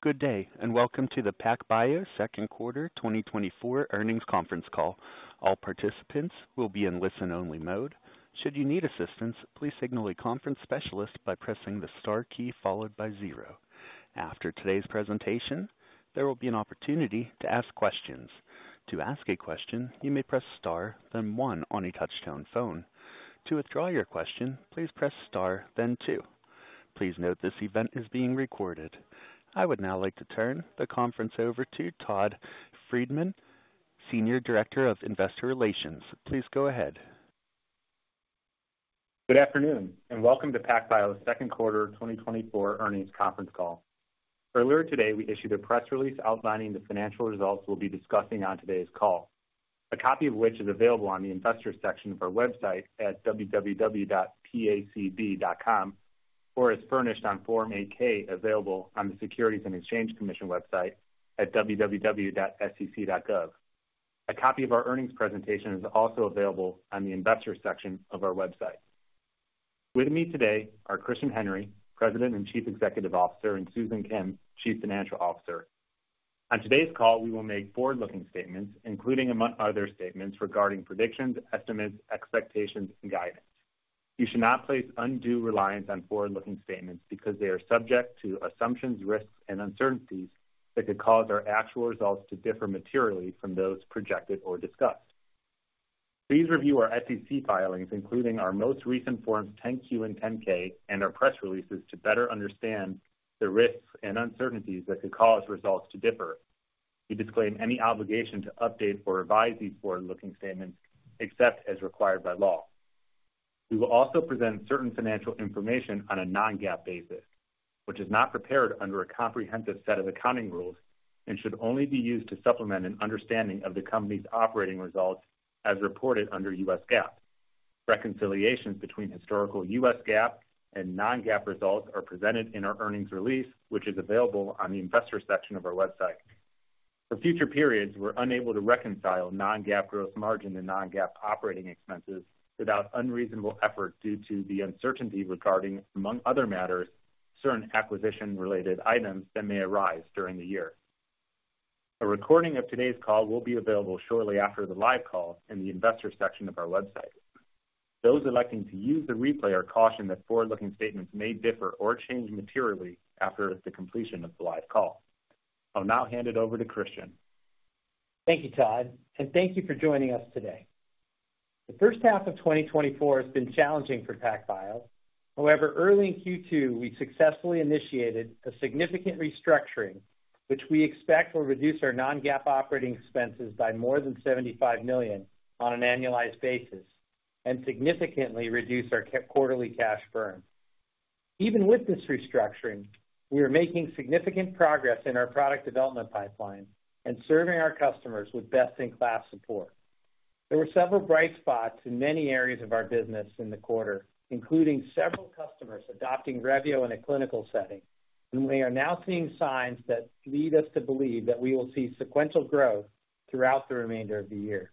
Good day, and welcome to the PacBio second quarter 2024 earnings conference call. All participants will be in listen-only mode. Should you need assistance, please signal a conference specialist by pressing the star key followed by zero. After today's presentation, there will be an opportunity to ask questions. To ask a question, you may press star, then one on a touchtone phone. To withdraw your question, please press star, then two. Please note, this event is being recorded. I would now like to turn the conference over to Todd Friedman, Senior Director of Investor Relations. Please go ahead. Good afternoon, and welcome to PacBio's second quarter 2024 earnings conference call. Earlier today, we issued a press release outlining the financial results we'll be discussing on today's call, a copy of which is available on the Investors section of our website at www.pacb.com, or is furnished on Form 8-K, available on the Securities and Exchange Commission website at www.sec.gov. A copy of our earnings presentation is also available on the Investors section of our website. With me today are Christian Henry, President and Chief Executive Officer, and Susan Kim, Chief Financial Officer. On today's call, we will make forward-looking statements, including, among other statements, regarding predictions, estimates, expectations, and guidance. You should not place undue reliance on forward-looking statements because they are subject to assumptions, risks, and uncertainties that could cause our actual results to differ materially from those projected or discussed. Please review our SEC filings, including our most recent Forms 10-Q and 10-K, and our press releases to better understand the risks and uncertainties that could cause results to differ. We disclaim any obligation to update or revise these forward-looking statements, except as required by law. We will also present certain financial information on a non-GAAP basis, which is not prepared under a comprehensive set of accounting rules and should only be used to supplement an understanding of the company's operating results as reported under U.S. GAAP. Reconciliations between historical U.S. GAAP and non-GAAP results are presented in our earnings release, which is available on the Investors' section of our website. For future periods, we're unable to reconcile non-GAAP gross margin and non-GAAP operating expenses without unreasonable effort due to the uncertainty regarding, among other matters, certain acquisition-related items that may arise during the year. A recording of today's call will be available shortly after the live call in the Investor section of our website. Those electing to use the replay are cautioned that forward-looking statements may differ or change materially after the completion of the live call. I'll now hand it over to Christian. Thank you, Todd, and thank you for joining us today. The first half of 2024 has been challenging for PacBio. However, early in Q2, we successfully initiated a significant restructuring, which we expect will reduce our non-GAAP operating expenses by more than $75 million on an annualized basis and significantly reduce our quarterly cash burn. Even with this restructuring, we are making significant progress in our product development pipeline and serving our customers with best-in-class support. There were several bright spots in many areas of our business in the quarter, including several customers adopting Revio in a clinical setting, and we are now seeing signs that lead us to believe that we will see sequential growth throughout the remainder of the year.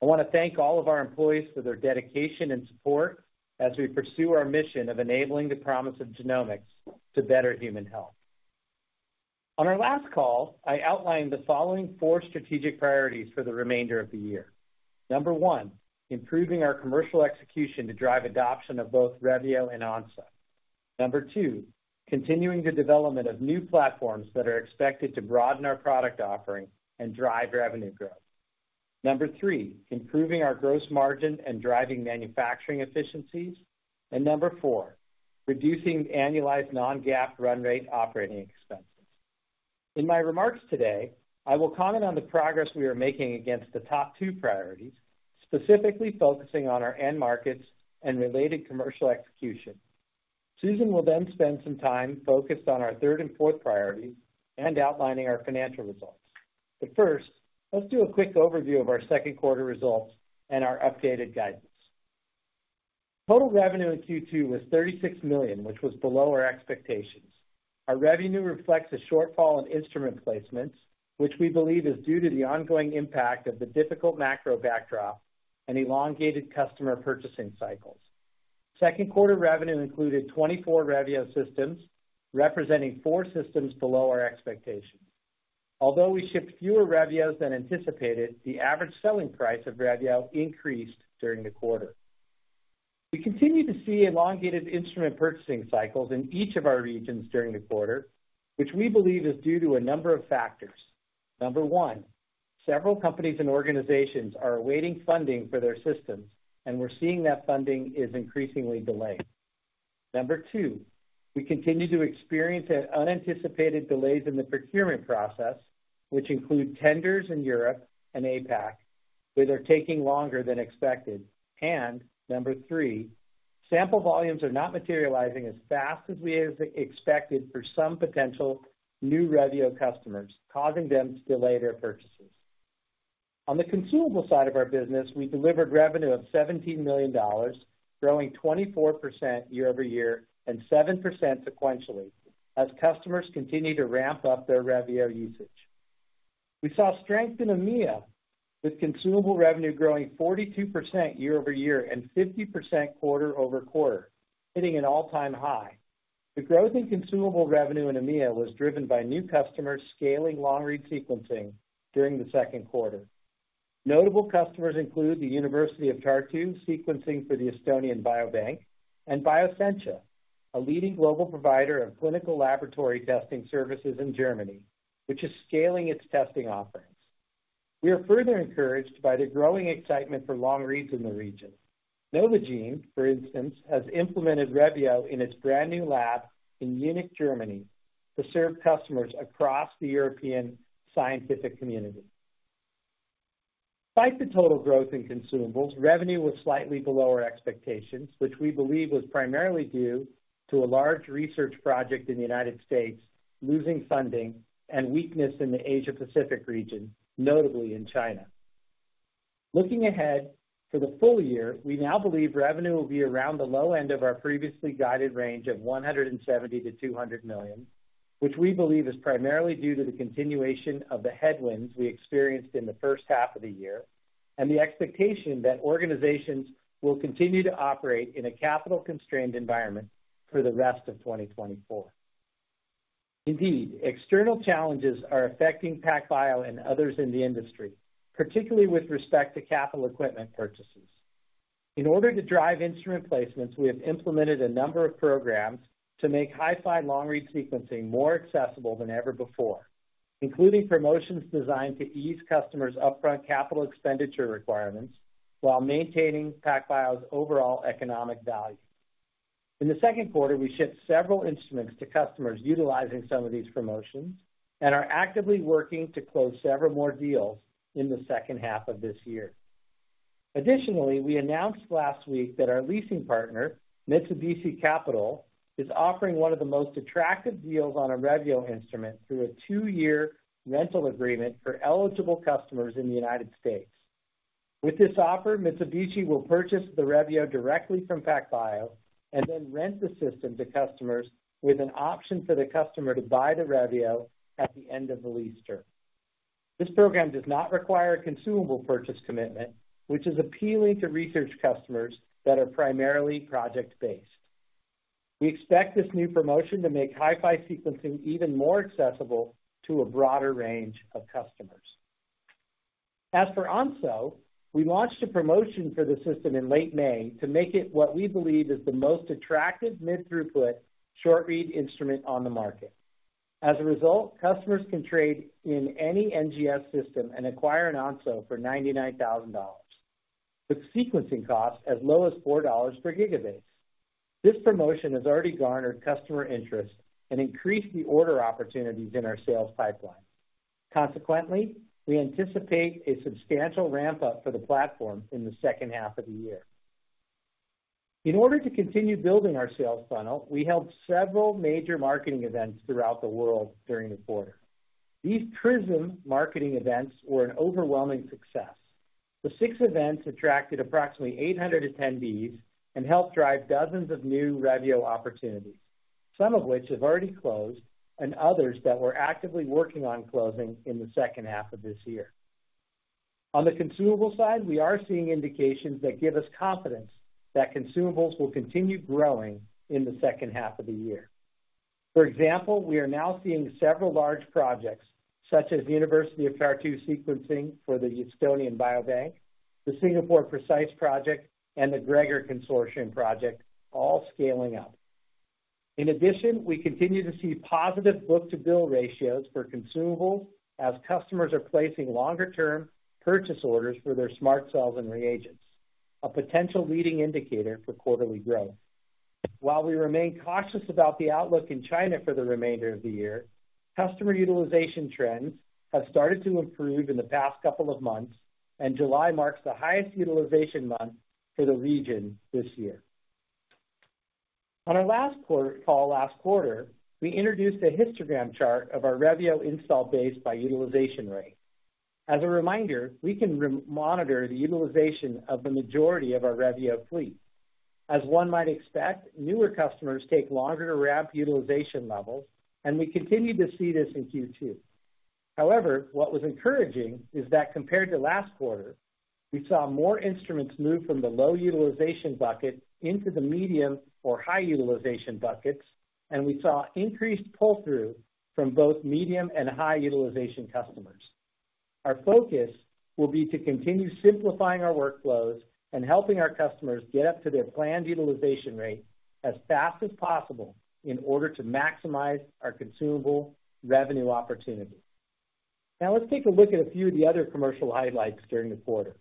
I want to thank all of our employees for their dedication and support as we pursue our mission of enabling the promise of genomics to better human health. On our last call, I outlined the following four strategic priorities for the remainder of the year. Number one, improving our commercial execution to drive adoption of both Revio and Onso. Number two, continuing the development of new platforms that are expected to broaden our product offering and drive revenue growth. Number three, improving our gross margin and driving manufacturing efficiencies. And number four, reducing annualized non-GAAP run rate operating expenses. In my remarks today, I will comment on the progress we are making against the top two priorities, specifically focusing on our end markets and related commercial execution. Susan will then spend some time focused on our third and fourth priorities and outlining our financial results. But first, let's do a quick overview of our second quarter results and our updated guidance. Total revenue in Q2 was $36 million, which was below our expectations. Our revenue reflects a shortfall in instrument placements, which we believe is due to the ongoing impact of the difficult macro backdrop and elongated customer purchasing cycles. Second quarter revenue included 24 Revio systems, representing four systems below our expectations. Although we shipped fewer Revios than anticipated, the average selling price of Revio increased during the quarter. We continued to see elongated instrument purchasing cycles in each of our regions during the quarter, which we believe is due to a number of factors. Number one, several companies and organizations are awaiting funding for their systems, and we're seeing that funding is increasingly delayed. Number two, we continue to experience unanticipated delays in the procurement process, which include tenders in Europe and APAC, which are taking longer than expected. Number three, sample volumes are not materializing as fast as we had expected for some potential new Revio customers, causing them to delay their purchases. On the consumable side of our business, we delivered revenue of $17 million, growing 24% year-over-year and 7% sequentially as customers continue to ramp up their Revio usage. We saw strength in EMEA, with consumable revenue growing 42% year-over-year and 50% quarter-over-quarter, hitting an all-time high. The growth in consumable revenue in EMEA was driven by new customers scaling long-read sequencing during the second quarter. Notable customers include the University of Tartu, sequencing for the Estonian Biobank, and Bioscientia, a leading global provider of clinical laboratory testing services in Germany, which is scaling its testing offerings. We are further encouraged by the growing excitement for long reads in the region. Novogene, for instance, has implemented Revio in its brand-new lab in Munich, Germany, to serve customers across the European scientific community. Despite the total growth in consumables, revenue was slightly below our expectations, which we believe was primarily due to a large research project in the United States, losing funding and weakness in the Asia Pacific region, notably in China. Looking ahead, for the full year, we now believe revenue will be around the low end of our previously guided range of $170 million-$200 million, which we believe is primarily due to the continuation of the headwinds we experienced in the first half of the year, and the expectation that organizations will continue to operate in a capital-constrained environment for the rest of 2024. Indeed, external challenges are affecting PacBio and others in the industry, particularly with respect to capital equipment purchases. In order to drive instrument placements, we have implemented a number of programs to make HiFi long-read sequencing more accessible than ever before, including promotions designed to ease customers' upfront capital expenditure requirements while maintaining PacBio's overall economic value. In the second quarter, we shipped several instruments to customers utilizing some of these promotions and are actively working to close several more deals in the second half of this year. Additionally, we announced last week that our leasing partner, Mitsubishi Capital, is offering one of the most attractive deals on a Revio instrument through a two-year rental agreement for eligible customers in the United States. With this offer, Mitsubishi will purchase the Revio directly from PacBio and then rent the system to customers with an option for the customer to buy the Revio at the end of the lease term. This program does not require a consumable purchase commitment, which is appealing to research customers that are primarily project-based. We expect this new promotion to make HiFi sequencing even more accessible to a broader range of customers. As for Onso, we launched a promotion for the system in late May to make it what we believe is the most attractive mid-throughput, short-read instrument on the market. As a result, customers can trade in any NGS system and acquire an Onso for $99,000, with sequencing costs as low as $4 per gigabase. This promotion has already garnered customer interest and increased the order opportunities in our sales pipeline. Consequently, we anticipate a substantial ramp-up for the platform in the second half of the year. In order to continue building our sales funnel, we held several major marketing events throughout the world during the quarter. These PRISM marketing events were an overwhelming success. The 6 events attracted approximately 800 attendees and helped drive dozens of new Revio opportunities, some of which have already closed and others that we're actively working on closing in the second half of this year. On the consumable side, we are seeing indications that give us confidence that consumables will continue growing in the second half of the year. For example, we are now seeing several large projects, such as the University of Tartu sequencing for the Estonian Biobank, the Singapore PRECISE project, and the GREGoR Consortium project, all scaling up. In addition, we continue to see positive book-to-bill ratios for consumables as customers are placing longer-term purchase orders for their SMRT Cells and reagents, a potential leading indicator for quarterly growth. While we remain cautious about the outlook in China for the remainder of the year, customer utilization trends have started to improve in the past couple of months, and July marks the highest utilization month for the region this year. On our last quarter's call last quarter, we introduced a histogram chart of our Revio install base by utilization rate. As a reminder, we can remotely monitor the utilization of the majority of our Revio fleet. As one might expect, newer customers take longer to ramp utilization levels, and we continued to see this in Q2. However, what was encouraging is that compared to last quarter, we saw more instruments move from the low utilization bucket into the medium or high utilization buckets, and we saw increased pull-through from both medium and high utilization customers. Our focus will be to continue simplifying our workflows and helping our customers get up to their planned utilization rate as fast as possible in order to maximize our consumable revenue opportunity. Now, let's take a look at a few of the other commercial highlights during the quarter.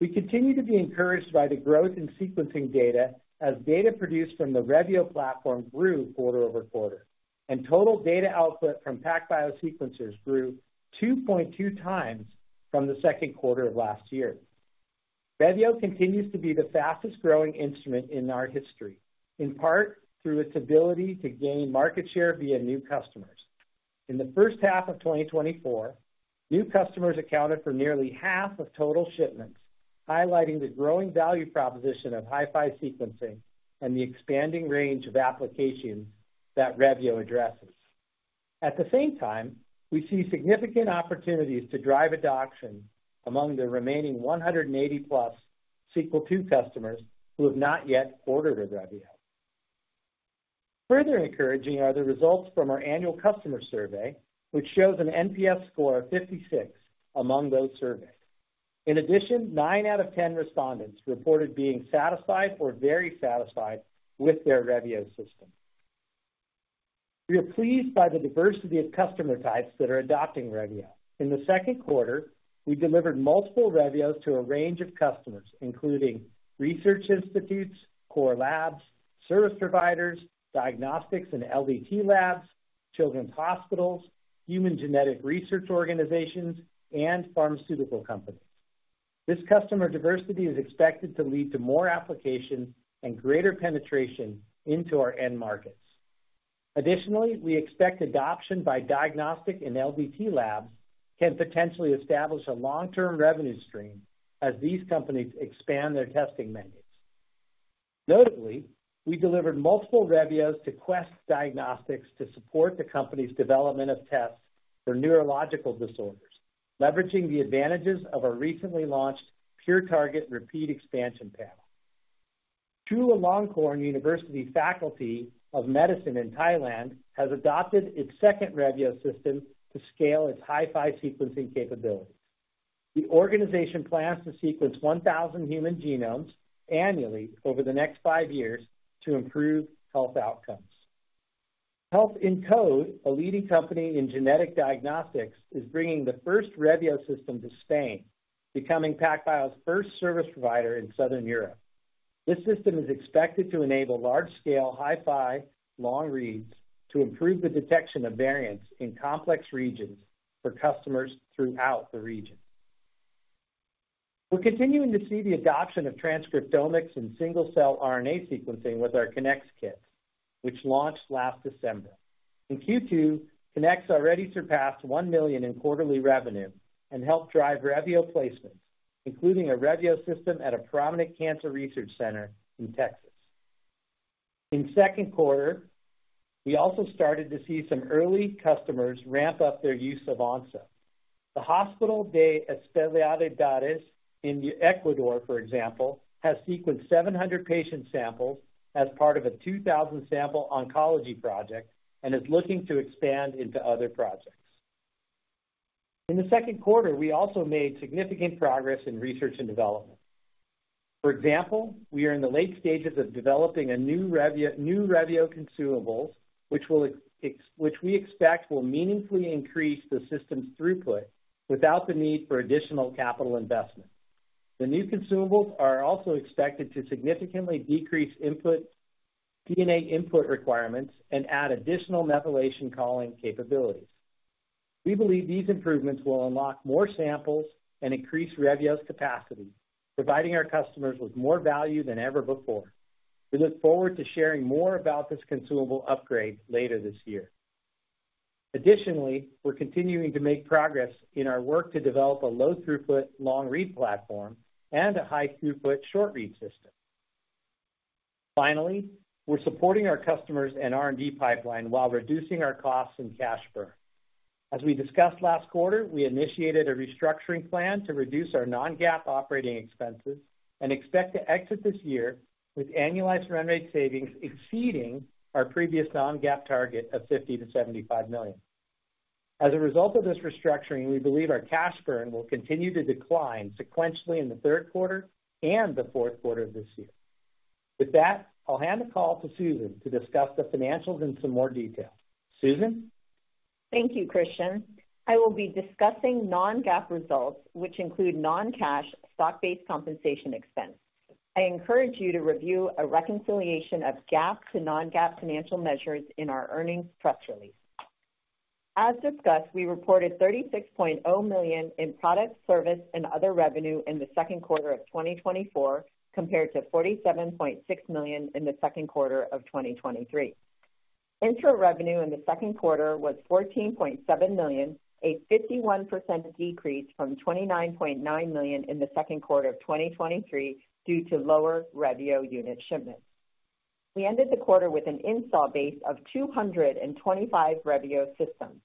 We continue to be encouraged by the growth in sequencing data, as data produced from the Revio platform grew quarter-over-quarter, and total data output from PacBio sequencers grew 2.2x from the second quarter of last year. Revio continues to be the fastest-growing instrument in our history, in part through its ability to gain market share via new customers. In the first half of 2024, new customers accounted for nearly half of total shipments, highlighting the growing value proposition of HiFi sequencing and the expanding range of applications that Revio addresses. At the same time, we see significant opportunities to drive adoption among the remaining 180+ Sequel II customers who have not yet ordered a Revio. Further encouraging are the results from our annual customer survey, which shows an NPS score of 56 among those surveyed. In addition, nine out of 10 respondents reported being satisfied or very satisfied with their Revio system. We are pleased by the diversity of customer types that are adopting Revio. In the second quarter, we delivered multiple Revios to a range of customers, including research institutes, core labs, service providers, diagnostics and LDT labs, children's hospitals, human genetic research organizations, and pharmaceutical companies. This customer diversity is expected to lead to more applications and greater penetration into our end markets. Additionally, we expect adoption by diagnostic and LDT labs can potentially establish a long-term revenue stream as these companies expand their testing menus. Notably, we delivered multiple Revio to Quest Diagnostics to support the company's development of tests for neurological disorders, leveraging the advantages of our recently launched PureTarget repeat expansion panel. Chulalongkorn University Faculty of Medicine in Thailand has adopted its second Revio system to scale its HiFi sequencing capability. The organization plans to sequence 1,000 human genomes annually over the next five years to improve health outcomes. Health in Code, a leading company in genetic diagnostics, is bringing the first Revio system to Spain, becoming PacBio's first service provider in Southern Europe. This system is expected to enable large-scale HiFi long reads to improve the detection of variants in complex regions for customers throughout the region. We're continuing to see the adoption of transcriptomics and single-cell RNA sequencing with our Kinnex Kits, which launched last December. In Q2, Kinnex already surpassed $1 million in quarterly revenue and helped drive Revio placements, including a Revio system at a prominent cancer research center in Texas. In second quarter, we also started to see some early customers ramp up their use of Onso. The Hospital de Especialidades in Ecuador, for example, has sequenced 700 patient samples as part of a 2,000-sample oncology project and is looking to expand into other projects. In the second quarter, we also made significant progress in research and development. For example, we are in the late stages of developing a new Revio, new Revio consumables, which we expect will meaningfully increase the system's throughput without the need for additional capital investment. The new consumables are also expected to significantly decrease input, DNA input requirements and add additional methylation calling capabilities. We believe these improvements will unlock more samples and increase Revio's capacity, providing our customers with more value than ever before. We look forward to sharing more about this consumable upgrade later this year. Additionally, we're continuing to make progress in our work to develop a low-throughput, long-read platform and a high-throughput, short-read system. Finally, we're supporting our customers and R&D pipeline while reducing our costs and cash burn. As we discussed last quarter, we initiated a restructuring plan to reduce our non-GAAP operating expenses and expect to exit this year with annualized run rate savings exceeding our previous non-GAAP target of $50 million-$75 million. As a result of this restructuring, we believe our cash burn will continue to decline sequentially in the third quarter and the fourth quarter of this year. With that, I'll hand the call to Susan to discuss the financials in some more detail. Susan? Thank you, Christian. I will be discussing non-GAAP results, which include non-cash stock-based compensation expense. I encourage you to review a reconciliation of GAAP to non-GAAP financial measures in our earnings press release. As discussed, we reported $36.0 million in product, service, and other revenue in the second quarter of 2024, compared to $47.6 million in the second quarter of 2023. Instrument revenue in the second quarter was $14.7 million, a 51% decrease from $29.9 million in the second quarter of 2023, due to lower Revio unit shipments. We ended the quarter with an install base of 225 Revio systems.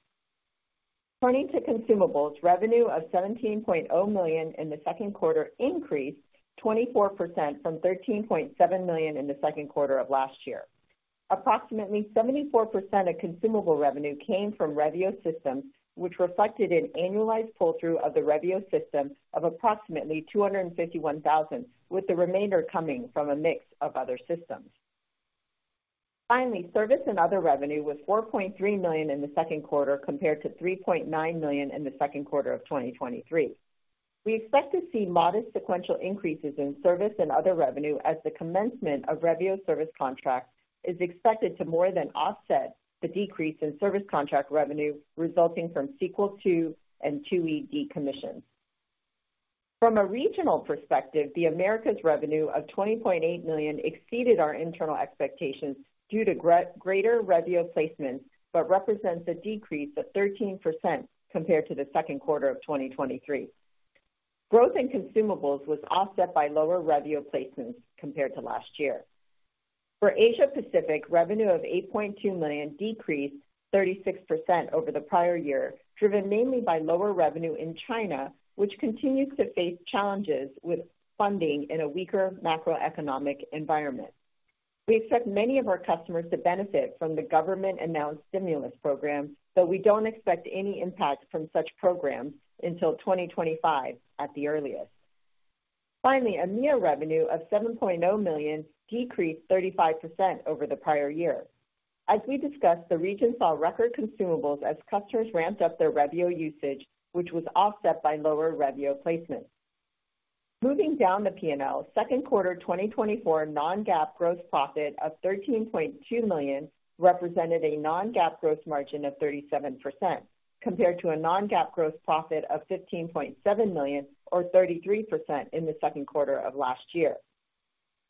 Turning to consumables, revenue of $17.0 million in the second quarter increased 24% from $13.7 million in the second quarter of last year. Approximately 74% of consumable revenue came from Revio systems, which reflected an annualized pull-through of the Revio system of approximately $251,000, with the remainder coming from a mix of other systems. Finally, service and other revenue was $4.3 million in the second quarter, compared to $3.9 million in the second quarter of 2023. We expect to see modest sequential increases in service and other revenue, as the commencement of Revio service contracts is expected to more than offset the decrease in service contract revenue resulting from Sequel II and IIe decommission. From a regional perspective, the Americas revenue of $20.8 million exceeded our internal expectations due to greater Revio placements, but represents a decrease of 13% compared to the second quarter of 2023. Growth in consumables was offset by lower Revio placements compared to last year. For Asia Pacific, revenue of $8.2 million decreased 36% over the prior year, driven mainly by lower revenue in China, which continues to face challenges with funding in a weaker macroeconomic environment. We expect many of our customers to benefit from the government-announced stimulus program, but we don't expect any impact from such programs until 2025 at the earliest. Finally, EMEA revenue of $7.0 million decreased 35% over the prior year. As we discussed, the region saw record consumables as customers ramped up their Revio usage, which was offset by lower Revio placements. Moving down the P&L, second quarter 2024 non-GAAP gross profit of $13.2 million represented a non-GAAP gross margin of 37%, compared to a non-GAAP gross profit of $15.7 million, or 33%, in the second quarter of last year.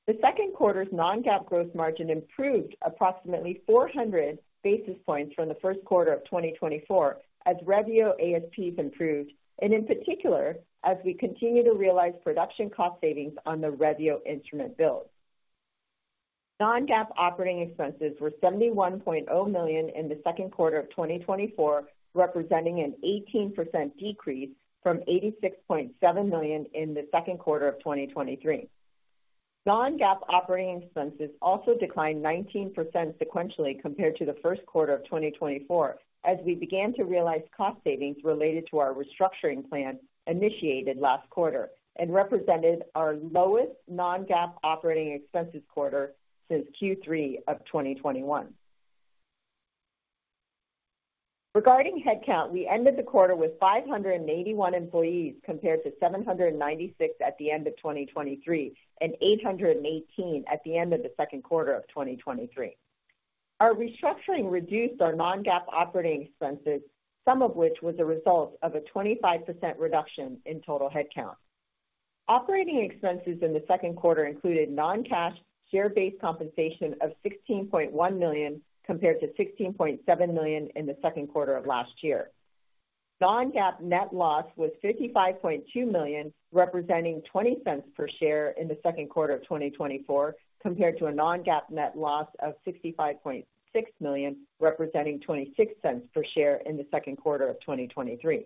The second quarter's non-GAAP gross margin improved approximately 400 basis points from the first quarter of 2024, as Revio ASPs improved, and in particular, as we continue to realize production cost savings on the Revio instrument builds. Non-GAAP operating expenses were $71.0 million in the second quarter of 2024, representing an 18% decrease from $86.7 million in the second quarter of 2023. Non-GAAP operating expenses also declined 19% sequentially compared to the first quarter of 2024, as we began to realize cost savings related to our restructuring plan initiated last quarter and represented our lowest non-GAAP operating expenses quarter since Q3 of 2021. Regarding headcount, we ended the quarter with 581 employees, compared to 796 at the end of 2023, and 818 at the end of the second quarter of 2023. Our restructuring reduced our non-GAAP operating expenses, some of which was a result of a 25% reduction in total headcount. Operating expenses in the second quarter included non-cash share-based compensation of $16.1 million, compared to $16.7 million in the second quarter of last year. Non-GAAP net loss was $55.2 million, representing $0.20 per share in the second quarter of 2024, compared to a non-GAAP net loss of $65.6 million, representing $0.26 per share in the second quarter of 2023.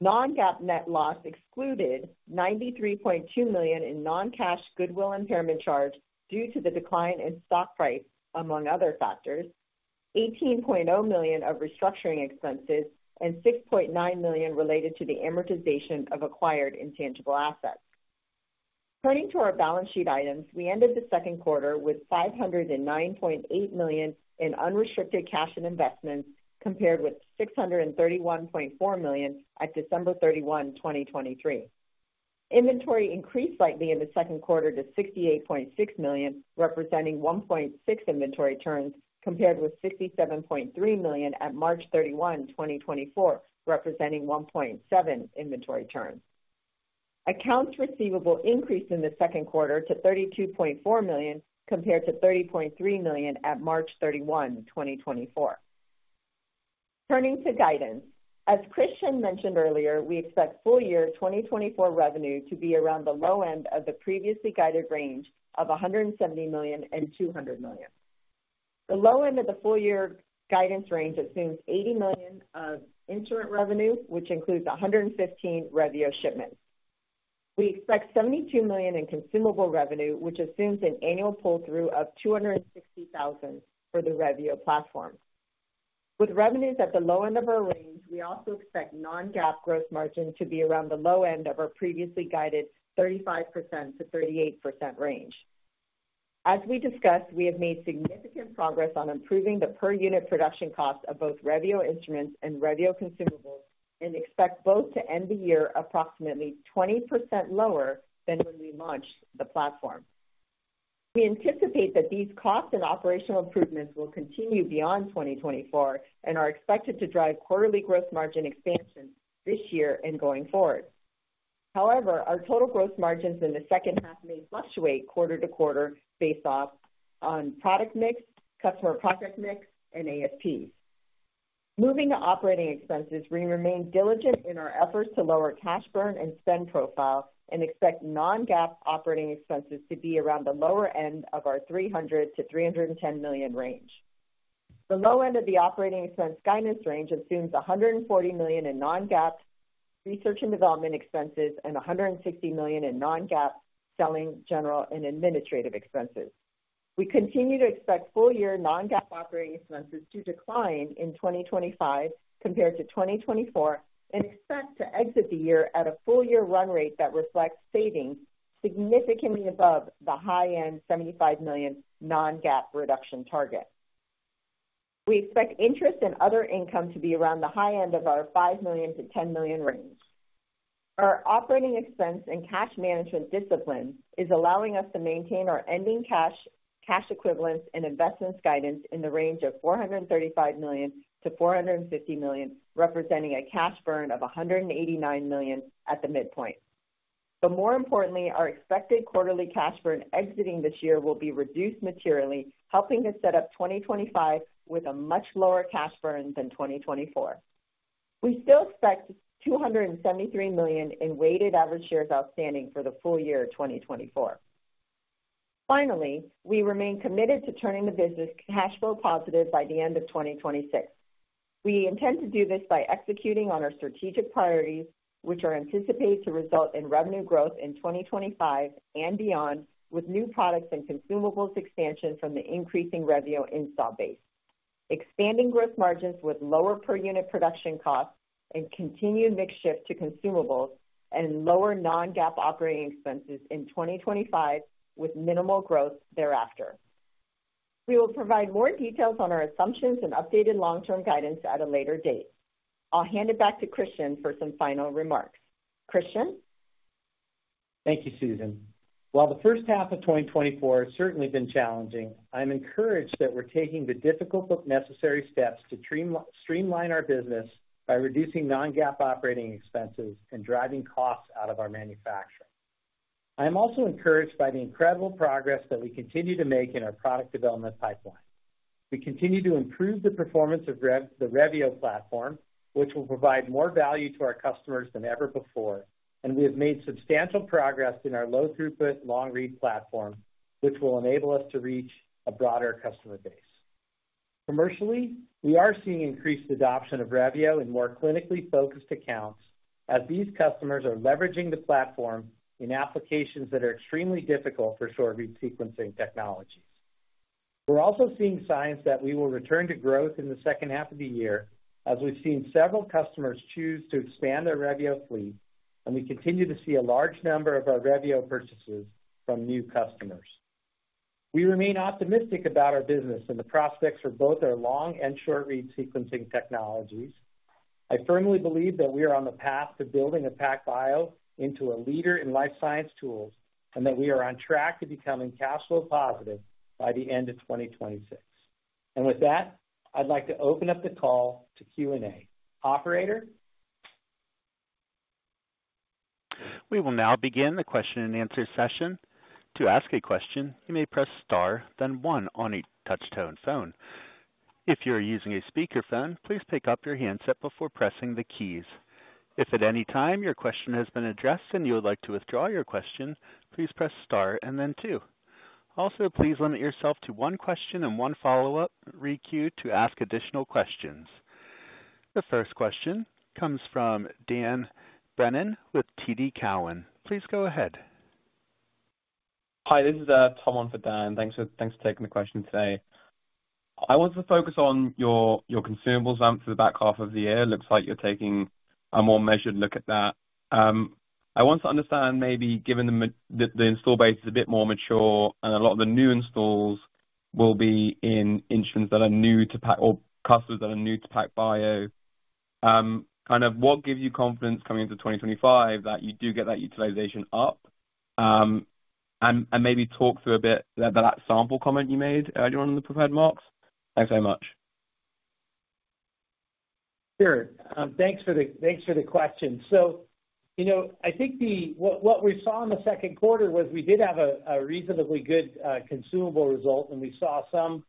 Non-GAAP net loss excluded $93.2 million in non-cash goodwill impairment charge due to the decline in stock price, among other factors, $18.0 million of restructuring expenses, and $6.9 million related to the amortization of acquired intangible assets. Turning to our balance sheet items, we ended the second quarter with $509.8 million in unrestricted cash and investments, compared with $631.4 million at December 31, 2023. Inventory increased slightly in the second quarter to $68.6 million, representing 1.6 inventory turns, compared with $67.3 million at March 31, 2024, representing 1.7 inventory turns. Accounts receivable increased in the second quarter to $32.4 million, compared to $30.3 million at March 31, 2024. Turning to guidance, as Christian mentioned earlier, we expect full year 2024 revenue to be around the low end of the previously guided range of $170 million and $200 million. The low end of the full year guidance range assumes $80 million of instrument revenue, which includes 115 Revio shipments. We expect $72 million in consumable revenue, which assumes an annual pull-through of 260,000 for the Revio platform. With revenues at the low end of our range, we also expect non-GAAP gross margin to be around the low end of our previously guided 35%-38% range. As we discussed, we have made significant progress on improving the per unit production cost of both Revio instruments and Revio consumables, and expect both to end the year approximately 20% lower than when we launched the platform. We anticipate that these costs and operational improvements will continue beyond 2024 and are expected to drive quarterly gross margin expansion this year and going forward. However, our total gross margins in the second half may fluctuate quarter to quarter based on product mix, customer product mix, and ASPs. Moving to operating expenses, we remain diligent in our efforts to lower cash burn and spend profile and expect non-GAAP operating expenses to be around the lower end of our $300 million-$310 million range. The low end of the operating expense guidance range assumes $140 million in non-GAAP research and development expenses and $160 million in non-GAAP selling, general and administrative expenses. We continue to expect full-year non-GAAP operating expenses to decline in 2025 compared to 2024, and expect to exit the year at a full-year run rate that reflects savings significantly above the high end $75 million non-GAAP reduction target. We expect interest in other income to be around the high end of our $5 million-$10 million range. Our operating expense and cash management discipline is allowing us to maintain our ending cash, cash equivalents and investments guidance in the range of $435 million-$450 million, representing a cash burn of $189 million at the midpoint. But more importantly, our expected quarterly cash burn exiting this year will be reduced materially, helping to set up 2025 with a much lower cash burn than 2024. We still expect 273 million in weighted average shares outstanding for the full year of 2024. Finally, we remain committed to turning the business cash flow positive by the end of 2026. We intend to do this by executing on our strategic priorities, which are anticipated to result in revenue growth in 2025 and beyond, with new products and consumables expansion from the increasing Revio installed base. Expanding gross margins with lower per unit production costs and continued mix shift to consumables and lower non-GAAP operating expenses in 2025, with minimal growth thereafter. We will provide more details on our assumptions and updated long-term guidance at a later date. I'll hand it back to Christian for some final remarks. Christian? Thank you, Susan. While the first half of 2024 has certainly been challenging, I'm encouraged that we're taking the difficult, but necessary steps to streamline our business by reducing non-GAAP operating expenses and driving costs out of our manufacturing. I'm also encouraged by the incredible progress that we continue to make in our product development pipeline. We continue to improve the performance of Revio, the Revio platform, which will provide more value to our customers than ever before, and we have made substantial progress in our low-throughput, long-read platform, which will enable us to reach a broader customer base. Commercially, we are seeing increased adoption of Revio in more clinically focused accounts, as these customers are leveraging the platform in applications that are extremely difficult for short-read sequencing technology. We're also seeing signs that we will return to growth in the second half of the year, as we've seen several customers choose to expand their Revio fleet, and we continue to see a large number of our Revio purchases from new customers. We remain optimistic about our business and the prospects for both our long and short-read sequencing technologies. I firmly believe that we are on the path to building a PacBio into a leader in life science tools, and that we are on track to becoming cash flow positive by the end of 2026. And with that, I'd like to open up the call to Q&A. Operator? We will now begin the question-and-answer session. To ask a question, you may press star, then one on a touchtone phone. If you are using a speakerphone, please pick up your handset before pressing the keys. If at any time your question has been addressed and you would like to withdraw your question, please press star and then two. Also, please limit yourself to one question and one follow-up. Requeue to ask additional questions. The first question comes from Dan Brennan with TD Cowen. Please go ahead. Hi, this is Tom on for Dan. Thanks for, thanks for taking the question today. I want to focus on your consumables ramp for the back half of the year. Looks like you're taking a more measured look at that. I want to understand, maybe given the installed base is a bit more mature, and a lot of the new installs will be in instruments that are new to Pac, or customers that are new to PacBio. Kind of what gives you confidence coming into 2025 that you do get that utilization up? And maybe talk through a bit about that sample comment you made earlier on in the prepared remarks. Thanks so much. Sure. Thanks for the question. So, you know, I think what we saw in the second quarter was we did have a reasonably good consumable result, and we saw some,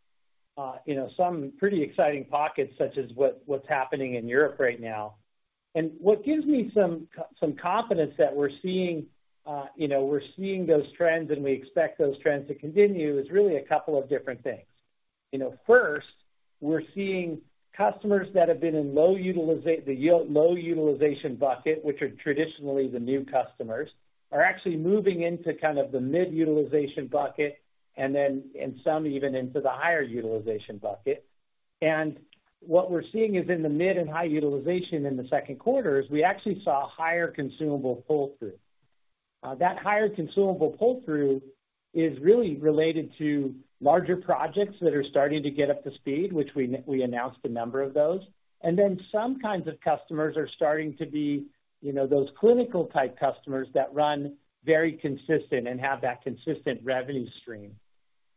you know, some pretty exciting pockets, such as what's happening in Europe right now. And what gives me some confidence that we're seeing, you know, we're seeing those trends and we expect those trends to continue, is really a couple of different things. You know, first, we're seeing customers that have been in low utilization bucket, which are traditionally the new customers, are actually moving into kind of the mid-utilization bucket and then some even into the higher utilization bucket. And what we're seeing is in the mid and high utilization in the second quarter is we actually saw higher consumable pull-through. That higher consumable pull-through is really related to larger projects that are starting to get up to speed, which we announced a number of those, and then some kinds of customers are starting to be, you know, those clinical-type customers that run very consistent and have that consistent revenue stream.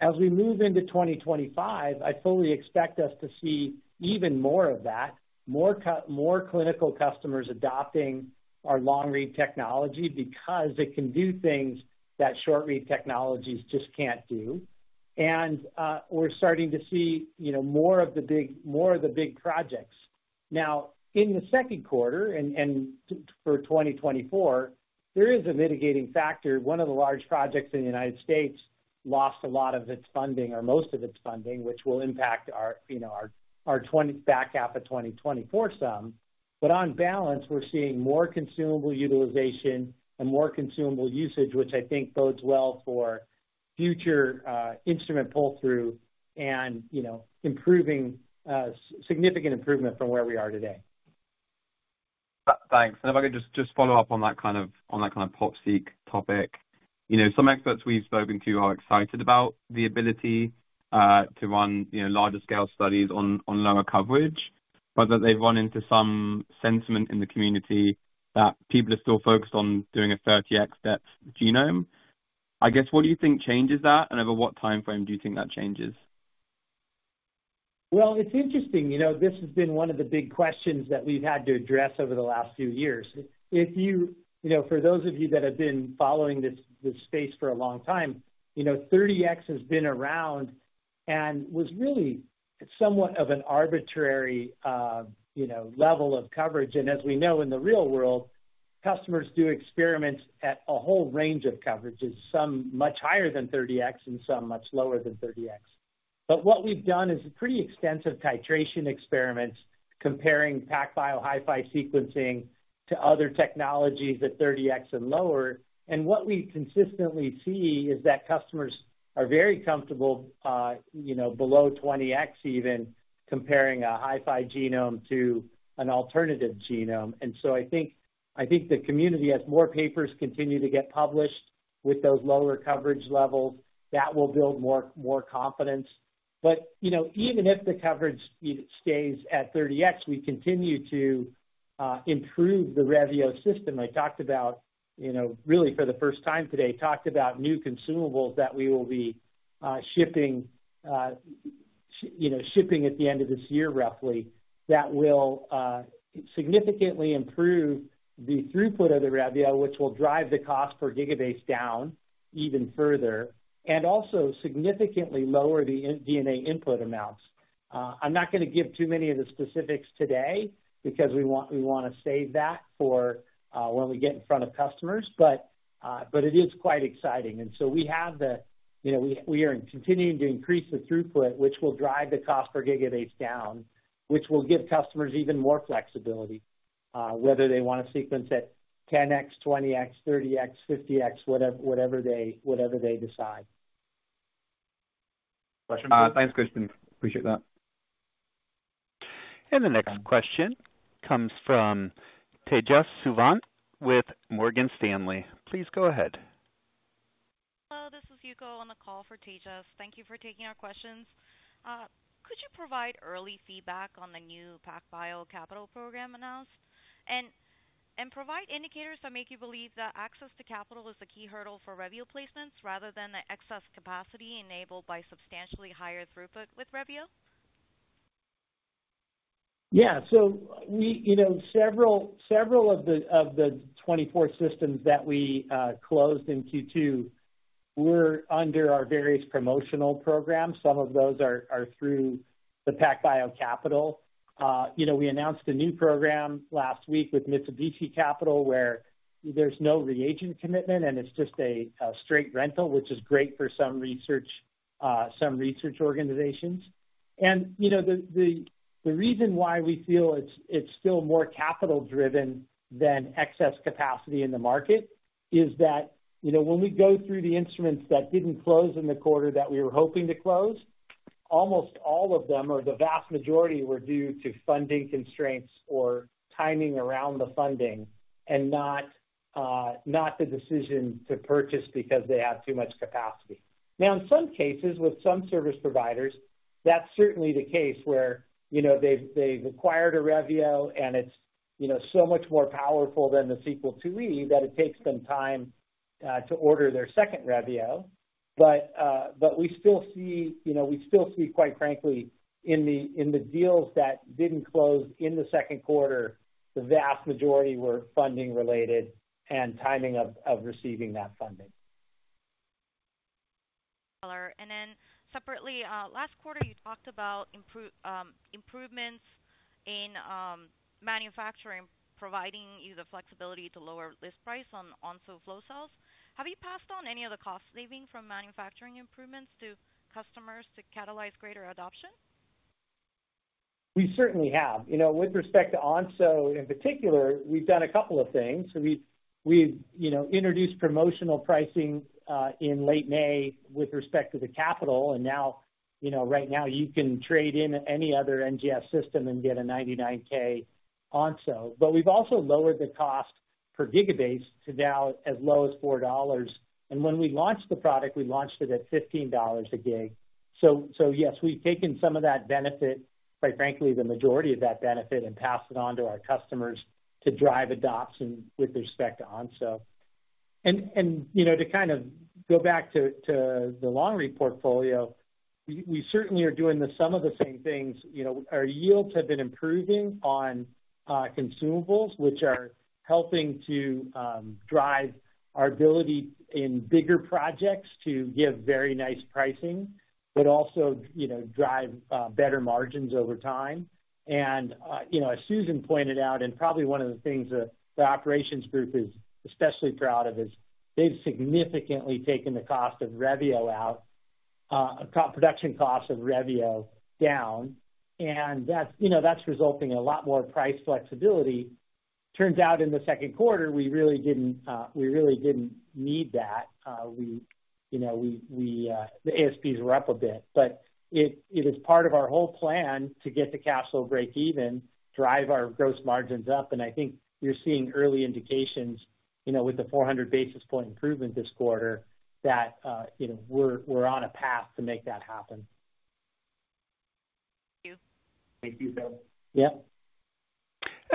As we move into 2025, I fully expect us to see even more of that, more clinical customers adopting our long-read technology because it can do things that short-read technologies just can't do. And, we're starting to see, you know, more of the big, more of the big projects. Now, in the second quarter and for 2024, there is a mitigating factor. One of the large projects in the United States lost a lot of its funding or most of its funding, which will impact our, you know, back half of 2024 some. But on balance, we're seeing more consumable utilization and more consumable usage, which I think bodes well for future instrument pull-through and, you know, improving significant improvement from where we are today. Thanks. If I could just follow up on that kind of pop-seq topic. You know, some experts we've spoken to are excited about the ability to run you know larger scale studies on lower coverage, but that they've run into some sentiment in the community that people are still focused on doing a 30x depth genome. I guess, what do you think changes that, and over what timeframe do you think that changes? Well, it's interesting, you know, this has been one of the big questions that we've had to address over the last few years. If you, you know, for those of you that have been following this, this space for a long time, you know, 30x has been around and was really somewhat of an arbitrary, you know, level of coverage. And as we know, in the real world, customers do experiments at a whole range of coverages, some much higher than 30x and some much lower than 30x. But what we've done is a pretty extensive titration experiments comparing PacBio HiFi sequencing to other technologies at 30x and lower. And what we consistently see is that customers are very comfortable, you know, below 20x, even comparing a HiFi genome to an alternative genome. And so I think, I think the community, as more papers continue to get published with those lower coverage levels, that will build more, more confidence. But, you know, even if the coverage stays at 30x, we continue to improve the Revio system. I talked about, you know, really for the first time today, talked about new consumables that we will be shipping, you know, shipping at the end of this year, roughly, that will significantly improve the throughput of the Revio, which will drive the cost per gigabase down even further, and also significantly lower the DNA input amounts. I'm not going to give too many of the specifics today because we want, we want to save that for when we get in front of customers. But, but it is quite exciting, and so we have the... You know, we are continuing to increase the throughput, which will drive the cost per gigabase down, which will give customers even more flexibility, whether they want to sequence at 10x, 20x, 30x, 50x, whatever they decide. Thanks, Christian. Appreciate that. The next question comes from Tejas Savant with Morgan Stanley. Please go ahead. Hello, this is Yuko on the call for Tejas. Thank you for taking our questions. Could you provide early feedback on the new PacBio Capital program announced? And, and provide indicators that make you believe that access to capital is the key hurdle for Revio placements, rather than the excess capacity enabled by substantially higher throughput with Revio? Yeah, so you know, several of the 24 systems that we closed in Q2 were under our various promotional programs. Some of those are through the PacBio Capital. You know, we announced a new program last week with Mitsubishi Capital, where there's no reagent commitment, and it's just a straight rental, which is great for some research organizations. And you know, the reason why we feel it's still more capital-driven than excess capacity in the market is that you know, when we go through the instruments that didn't close in the quarter that we were hoping to close, almost all of them or the vast majority were due to funding constraints or timing around the funding and not the decision to purchase because they have too much capacity. Now, in some cases, with some service providers, that's certainly the case where, you know, they've, they've acquired a Revio, and it's, you know, so much more powerful than the Sequel IIe, that it takes them time to order their second Revio. But, but we still see, you know, we still see, quite frankly, in the, in the deals that didn't close in the second quarter, the vast majority were funding related and timing of, of receiving that funding. Then separately, last quarter, you talked about improvements in manufacturing, providing you the flexibility to lower list price on Onso flow cells. Have you passed on any of the cost savings from manufacturing improvements to customers to catalyze greater adoption? We certainly have. You know, with respect to Onso in particular, we've done a couple of things. So we've introduced promotional pricing in late May with respect to the capital, and now, you know, right now, you can trade in any other NGS system and get a $99,000 Onso. But we've also lowered the cost per gigabase to now as low as $4. And when we launched the product, we launched it at $15 a gig. So yes, we've taken some of that benefit, quite frankly, the majority of that benefit, and passed it on to our customers to drive adoption with respect to Onso. And you know, to kind of go back to the Long Read portfolio, we certainly are doing some of the same things. You know, our yields have been improving on consumables, which are helping to drive our ability in bigger projects to give very nice pricing, but also, you know, drive better margins over time. And you know, as Susan pointed out, and probably one of the things that the operations group is especially proud of, is they've significantly taken the cost of Revio out, production costs of Revio down, and that's, you know, that's resulting in a lot more price flexibility. Turns out in the second quarter, we really didn't we really didn't need that. We, you know, we the ASPs were up a bit, but it is part of our whole plan to get to capital break even, drive our gross margins up, and I think you're seeing early indications, you know, with the 400 basis point improvement this quarter, that you know, we're on a path to make that happen. Thank you. Yep.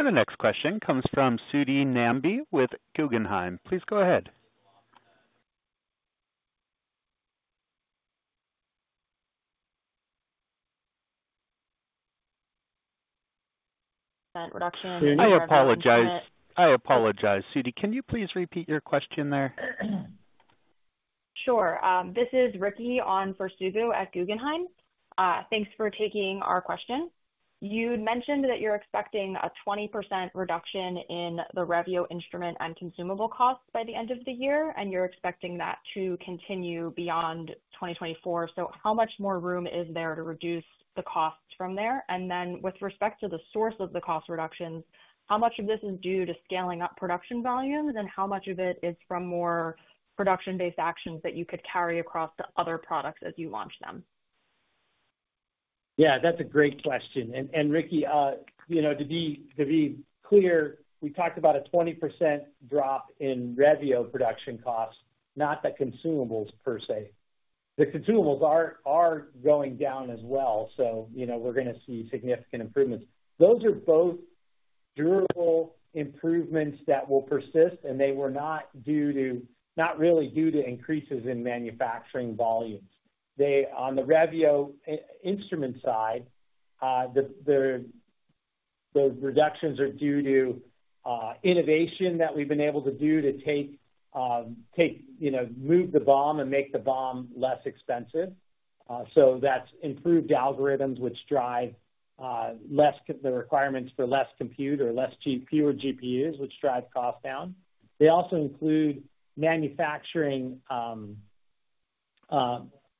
The next question comes from Subbu Nambi with Guggenheim. Please go ahead.... reduction. I apologize, I apologize, Subbu. Can you please repeat your question there? Sure. This is Ricky on for Subbu at Guggenheim. Thanks for taking our question. You'd mentioned that you're expecting a 20% reduction in the Revio instrument and consumable costs by the end of the year, and you're expecting that to continue beyond 2024. So how much more room is there to reduce the costs from there? And then with respect to the source of the cost reductions, how much of this is due to scaling up production volumes, and how much of it is from more production-based actions that you could carry across the other products as you launch them? Yeah, that's a great question. And Ricky, you know, to be clear, we talked about a 20% drop in Revio production costs, not the consumables per se. The consumables are going down as well, so, you know, we're going to see significant improvements. Those are both durable improvements that will persist, and they were not really due to increases in manufacturing volumes. They, on the Revio instrument side, those reductions are due to innovation that we've been able to do to take, you know, move the BOM and make the BOM less expensive. So that's improved algorithms which drive less the requirements for less compute or fewer GPUs, which drives cost down. They also include manufacturing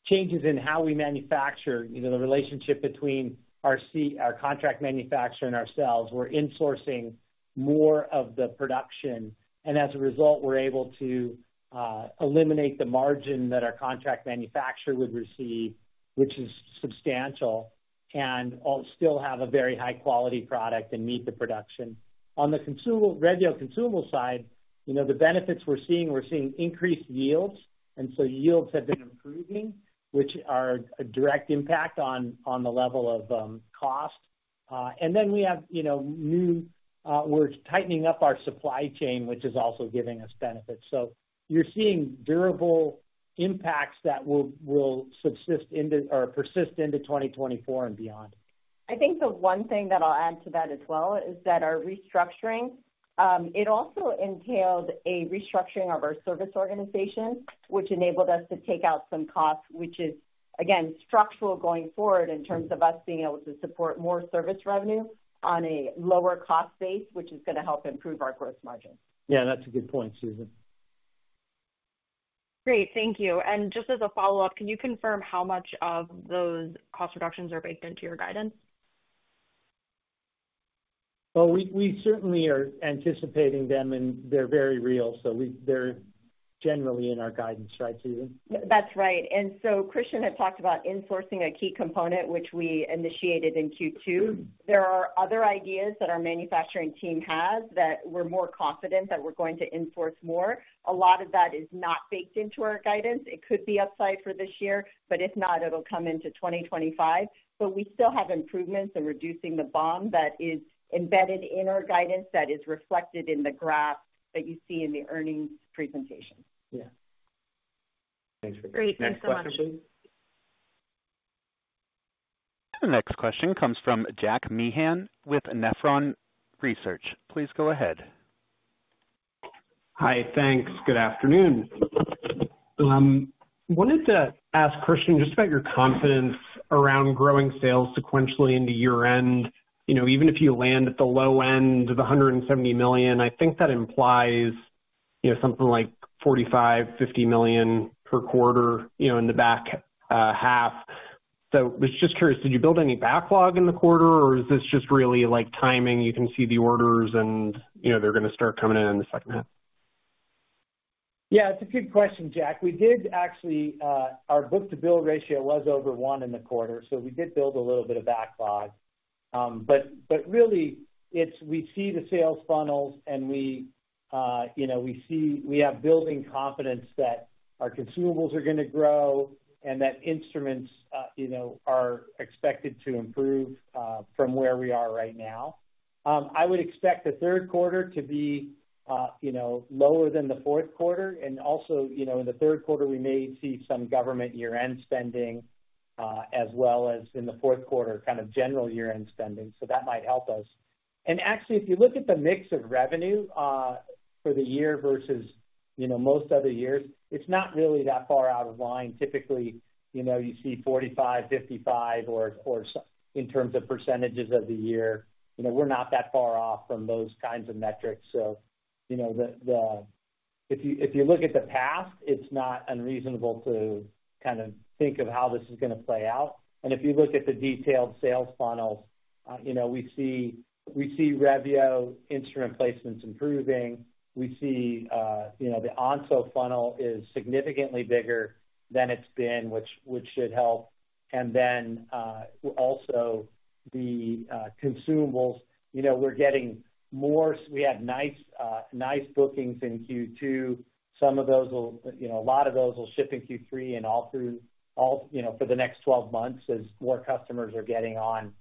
changes in how we manufacture, you know, the relationship between our contract manufacturer and ourselves. We're insourcing more of the production, and as a result, we're able to eliminate the margin that our contract manufacturer would receive, which is substantial, and still have a very high-quality product and meet the production. On the consumable, Revio consumable side, you know, the benefits we're seeing, we're seeing increased yields, and so yields have been improving, which are a direct impact on the level of cost. And then we have, you know, we're tightening up our supply chain, which is also giving us benefits. So you're seeing durable impacts that will subsist into or persist into 2024 and beyond. I think the one thing that I'll add to that as well, is that our restructuring, it also entailed a restructuring of our service organization, which enabled us to take out some costs, which is, again, structural going forward in terms of us being able to support more service revenue on a lower cost base, which is going to help improve our gross margin. Yeah, that's a good point, Susan. Great, thank you. Just as a follow-up, can you confirm how much of those cost reductions are baked into your guidance? Well, we, we certainly are anticipating them, and they're very real, so we, they're generally in our guidance. Right, Susan? That's right. And so Christian had talked about insourcing a key component, which we initiated in Q2. There are other ideas that our manufacturing team has that we're more confident that we're going to in-source more. A lot of that is not baked into our guidance. It could be upside for this year, but if not, it'll come into 2025. But we still have improvements in reducing the BOM that is embedded in our guidance, that is reflected in the graph that you see in the earnings presentation. Yeah. Thanks for that. Great. Thanks so much. Next question. The next question comes from Jack Meehan with Nephron Research. Please go ahead. Hi, thanks. Good afternoon. Wanted to ask Christian, just about your confidence around growing sales sequentially into year-end. You know, even if you land at the low end of $170 million, I think that implies, you know, something like $45 million-$50 million per quarter, you know, in the back half. So I was just curious, did you build any backlog in the quarter, or is this just really like timing, you can see the orders and, you know, they're going to start coming in in the second half? Yeah, it's a good question, Jack. We did actually, our book-to-bill ratio was over 1 in the quarter, so we did build a little bit of backlog. But really, it's we see the sales funnels and we, you know, we see we have building confidence that our consumables are going to grow and that instruments, you know, are expected to improve from where we are right now. I would expect the third quarter to be, you know, lower than the fourth quarter. And also, you know, in the third quarter, we may see some government year-end spending, as well as in the fourth quarter, kind of general year-end spending. So that might help us. And actually, if you look at the mix of revenue for the year versus, you know, most other years, it's not really that far out of line. Typically, you know, you see 45, 55 in terms of percentages of the year. You know, we're not that far off from those kinds of metrics. So, you know, if you look at the past, it's not unreasonable to kind of think of how this is going to play out. And if you look at the detailed sales funnels, we see Revio instrument placements improving. We see the Onso funnel is significantly bigger than it's been, which should help. And then, also the consumables, you know, we're getting more. We had nice bookings in Q2. Some of those will, you know, a lot of those will ship in Q3 and all through, all, you know, for the next 12 months as more customers are getting on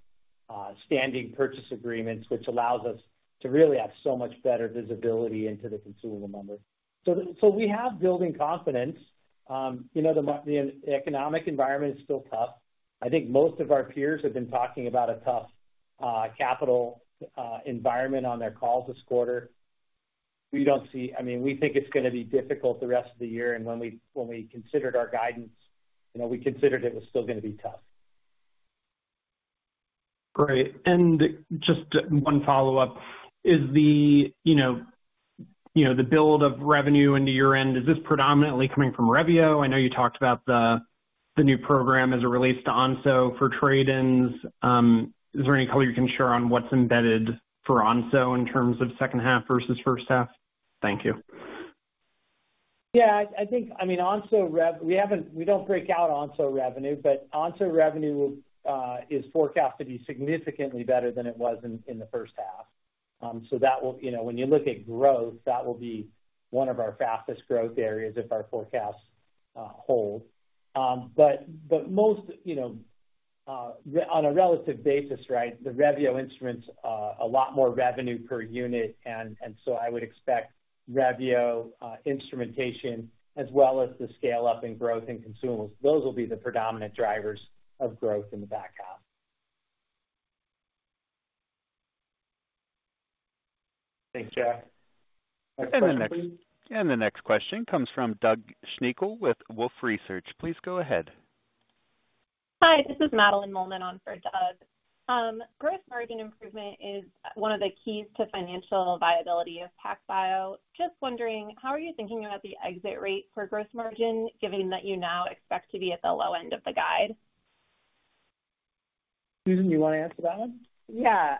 standing purchase agreements, which allows us to really have so much better visibility into the consumable numbers. So, so we have building confidence. You know, the economic environment is still tough. I think most of our peers have been talking about a tough capital environment on their calls this quarter. We don't see. I mean, we think it's gonna be difficult the rest of the year, and when we considered our guidance, you know, we considered it was still gonna be tough. Great. And just one follow-up: Is the, you know, you know, the build of revenue into year-end, is this predominantly coming from Revio? I know you talked about the, the new program as it relates to Onso for trade-ins. Is there any color you can share on what's embedded for Onso in terms of second half versus first half? Thank you. Yeah, I think, I mean, we don't break out Onso revenue, but Onso revenue is forecast to be significantly better than it was in the first half. So that will... You know, when you look at growth, that will be one of our fastest growth areas if our forecasts hold. But most, you know, on a relative basis, right, the Revio instruments a lot more revenue per unit, and so I would expect Revio instrumentation as well as the scale-up in growth and consumables. Those will be the predominant drivers of growth in the back half. Thanks, Jack The next question comes from Doug Schenkel with Wolfe Research. Please go ahead. Hi, this is Madeline Mollman on for Doug. Gross margin improvement is one of the keys to financial viability of PacBio. Just wondering, how are you thinking about the exit rate for gross margin, given that you now expect to be at the low end of the guide? Susan, do you want to answer that one? Yeah,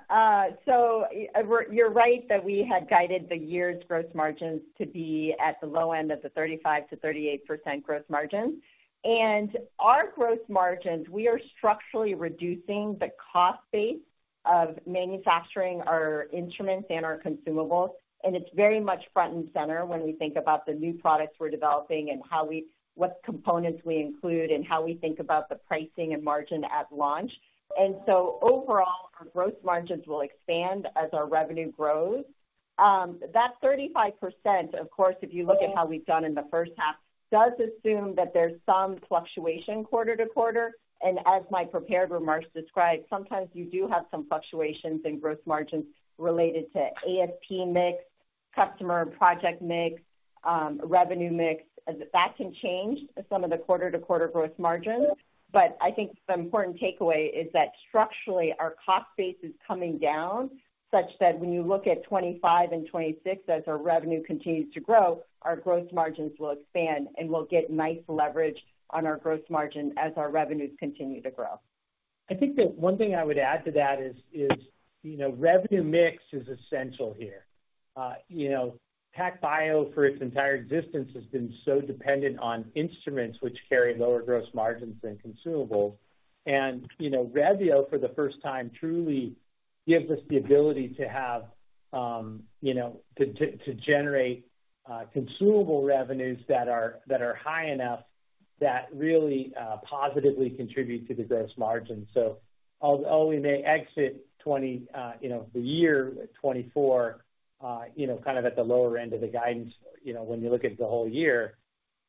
so, we're. You're right that we had guided the year's gross margins to be at the low end of the 35%-38% gross margin. And our gross margins, we are structurally reducing the cost base of manufacturing our instruments and our consumables, and it's very much front and center when we think about the new products we're developing and how we—what components we include, and how we think about the pricing and margin at launch. And so overall, our gross margins will expand as our revenue grows. That 35%, of course, if you look at how we've done in the first half, does assume that there's some fluctuation quarter to quarter, and as my prepared remarks described, sometimes you do have some fluctuations in gross margins related to ASP mix, customer and project mix, revenue mix. That can change some of the quarter-to-quarter gross margins. But I think the important takeaway is that structurally, our cost base is coming down, such that when you look at 2025 and 2026, as our revenue continues to grow, our gross margins will expand, and we'll get nice leverage on our gross margin as our revenues continue to grow. I think the one thing I would add to that is, you know, revenue mix is essential here. You know, PacBio, for its entire existence, has been so dependent on instruments which carry lower gross margins than consumables. And, you know, Revio, for the first time, truly gives us the ability to have, you know, to generate consumable revenues that are high enough that really positively contribute to the gross margin. So although we may exit 2024 kind of at the lower end of the guidance, you know, when you look at the whole year,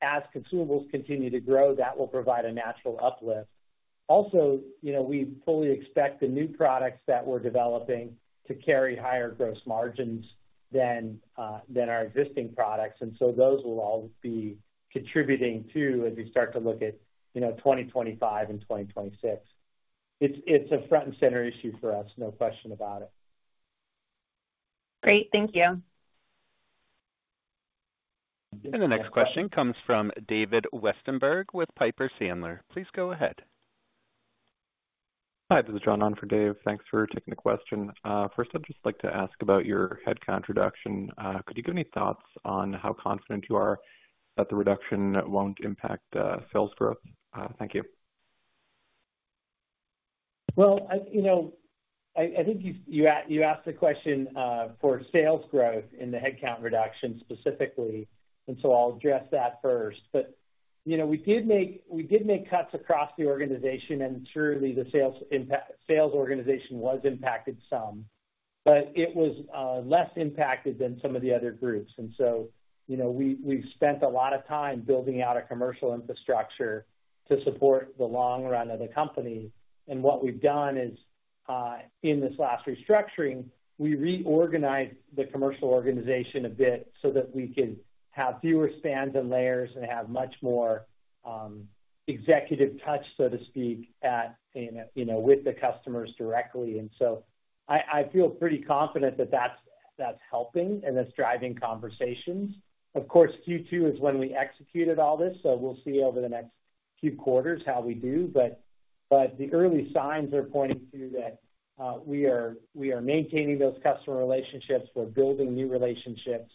as consumables continue to grow, that will provide a natural uplift. Also, you know, we fully expect the new products that we're developing to carry higher gross margins than than our existing products, and so those will all be contributing, too, as we start to look at, you know, 2025 and 2026. It's a front and center issue for us, no question about it. Great. Thank you. The next question comes from David Westenberg with Piper Sandler. Please go ahead. Hi, this is John on for Dave. Thanks for taking the question. First, I'd just like to ask about your headcount reduction. Could you give any thoughts on how confident you are that the reduction won't impact sales growth? Thank you. Well, I, you know, I, I think you, you asked, you asked the question for sales growth in the headcount reduction specifically, and so I'll address that first. But, you know, we did make, we did make cuts across the organization, and surely the sales impact, sales organization was impacted some, but it was less impacted than some of the other groups. And so, you know, we, we've spent a lot of time building out our commercial infrastructure to support the long run of the company. And what we've done is, in this last restructuring, we reorganized the commercial organization a bit so that we could have fewer spans and layers and have much more executive touch, so to speak, at, you know, with the customers directly. And so I, I feel pretty confident that that's, that's helping and that's driving conversations. Of course, Q2 is when we executed all this, so we'll see over the next few quarters how we do. But the early signs are pointing to that, we are maintaining those customer relationships, we're building new relationships,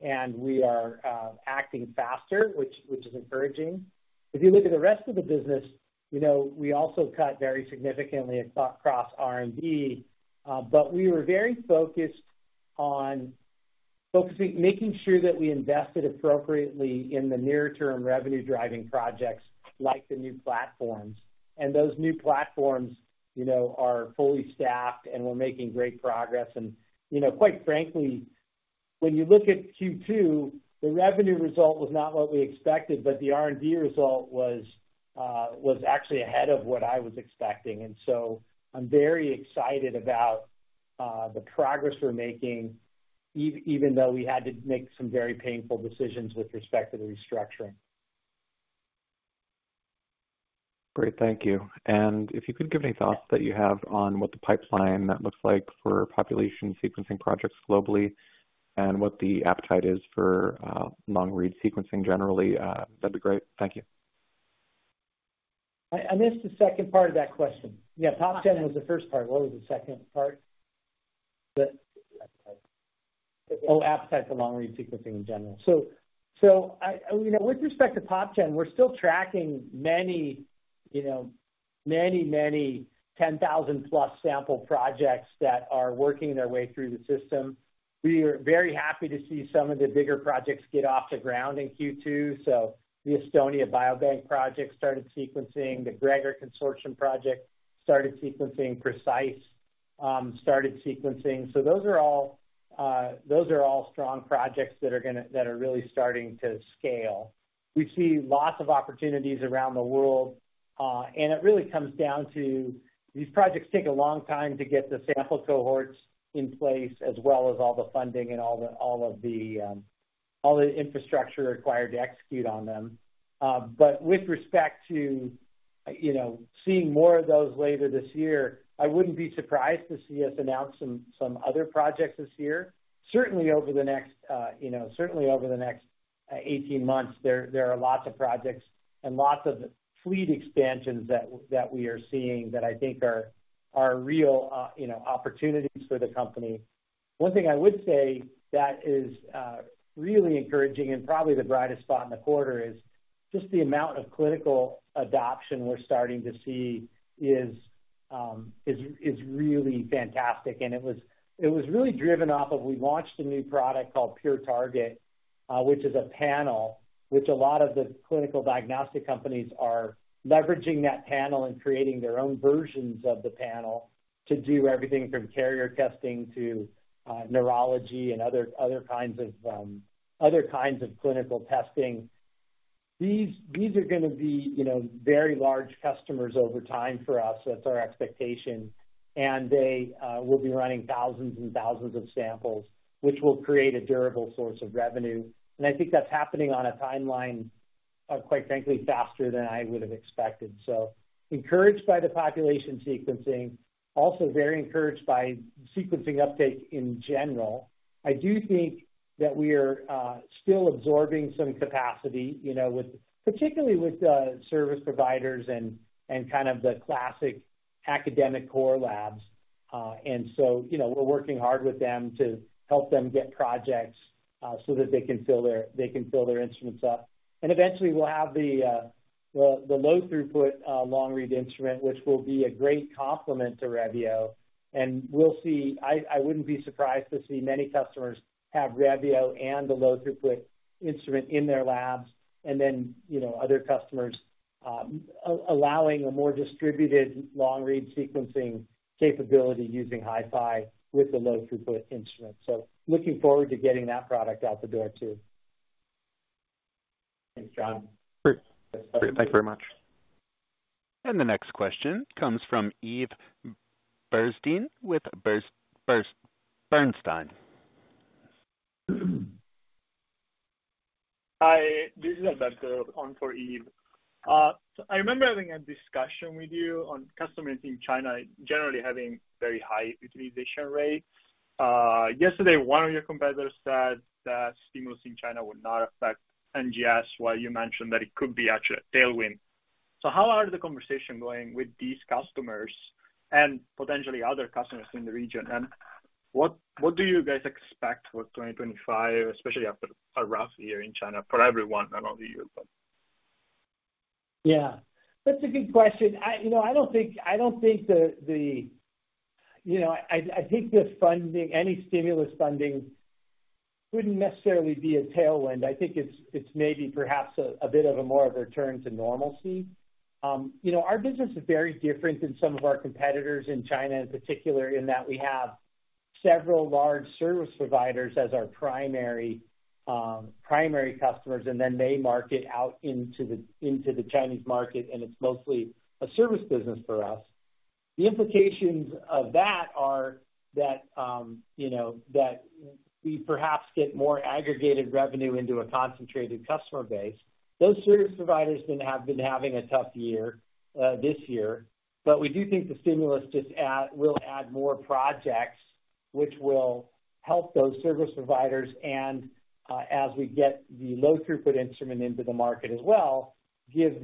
and we are acting faster, which is encouraging. If you look at the rest of the business, you know, we also cut very significantly across R&D, but we were very focused on focusing, making sure that we invested appropriately in the near-term revenue-driving projects, like the new platforms. And those new platforms, you know, are fully staffed, and we're making great progress. And, you know, quite frankly, when you look at Q2, the revenue result was not what we expected, but the R&D result was actually ahead of what I was expecting. And so I'm very excited about the progress we're making, even though we had to make some very painful decisions with respect to the restructuring. Great, thank you. If you could give any thoughts that you have on what the pipeline that looks like for population sequencing projects globally, and what the appetite is for, long-read sequencing generally, that'd be great. Thank you. I missed the second part of that question. Yeah, top 10 was the first part. What was the second part? Oh, appetite for long-read sequencing in general. So, you know, with respect to top 10, we're still tracking many, you know, many, many 10,000+ sample projects that are working their way through the system. We are very happy to see some of the bigger projects get off the ground in Q2. So the Estonia Biobank project started sequencing. The GREGoR Consortium project started sequencing. PRECISE started sequencing. So those are all, those are all strong projects that are gonna, that are really starting to scale. We see lots of opportunities around the world, and it really comes down to, these projects take a long time to get the sample cohorts in place, as well as all the funding and all the infrastructure required to execute on them. But with respect to, you know, seeing more of those later this year, I wouldn't be surprised to see us announce some other projects this year. Certainly over the next, you know, 18 months, there are lots of projects and lots of fleet expansions that we are seeing that I think are real, you know, opportunities for the company. One thing I would say that is really encouraging and probably the brightest spot in the quarter is just the amount of clinical adoption we're starting to see is really fantastic. And it was really driven off of we launched a new product called PureTarget, which is a panel, which a lot of the clinical diagnostic companies are leveraging that panel and creating their own versions of the panel to do everything from carrier testing to neurology and other kinds of clinical testing. These are gonna be, you know, very large customers over time for us. That's our expectation. And they will be running thousands and thousands of samples, which will create a durable source of revenue. And I think that's happening on a timeline of, quite frankly, faster than I would have expected. So encouraged by the population sequencing, also very encouraged by sequencing uptake in general. I do think that we are still absorbing some capacity, you know, with particularly with service providers and, and kind of the classic academic core labs. And so, you know, we're working hard with them to help them get projects so that they can fill their instruments up. And eventually, we'll have the low-throughput long-read instrument, which will be a great complement to Revio, and we'll see... I wouldn't be surprised to see many customers have Revio and the low-throughput instrument in their labs, and then, you know, other customers allowing a more distributed long-read sequencing capability using HiFi with the low-throughput instrument. So looking forward to getting that product out the door, too. Thanks, John. Great. Thank you very much. The next question comes from Eve Burstein with Bernstein. Hi, this is Alberto, on for Eve. So I remember having a discussion with you on customers in China generally having very high utilization rates. Yesterday, one of your competitors said that stimulus in China would not affect NGS, while you mentioned that it could be actually a tailwind. So how are the conversation going with these customers and potentially other customers in the region? And what, what do you guys expect for 2025, especially after a rough year in China, for everyone, not only you, but? Yeah, that's a good question. You know, I don't think, I don't think the funding, any stimulus funding wouldn't necessarily be a tailwind. I think it's, it's maybe perhaps a, a bit of a more of a return to normalcy. You know, our business is very different than some of our competitors in China, in particular, in that we have several large service providers as our primary, primary customers, and then they market out into the, into the Chinese market, and it's mostly a service business for us. The implications of that are that, you know, that we perhaps get more aggregated revenue into a concentrated customer base. Those service providers have been having a tough year this year, but we do think the stimulus will add more projects, which will help those service providers, and as we get the low-throughput instrument into the market as well, give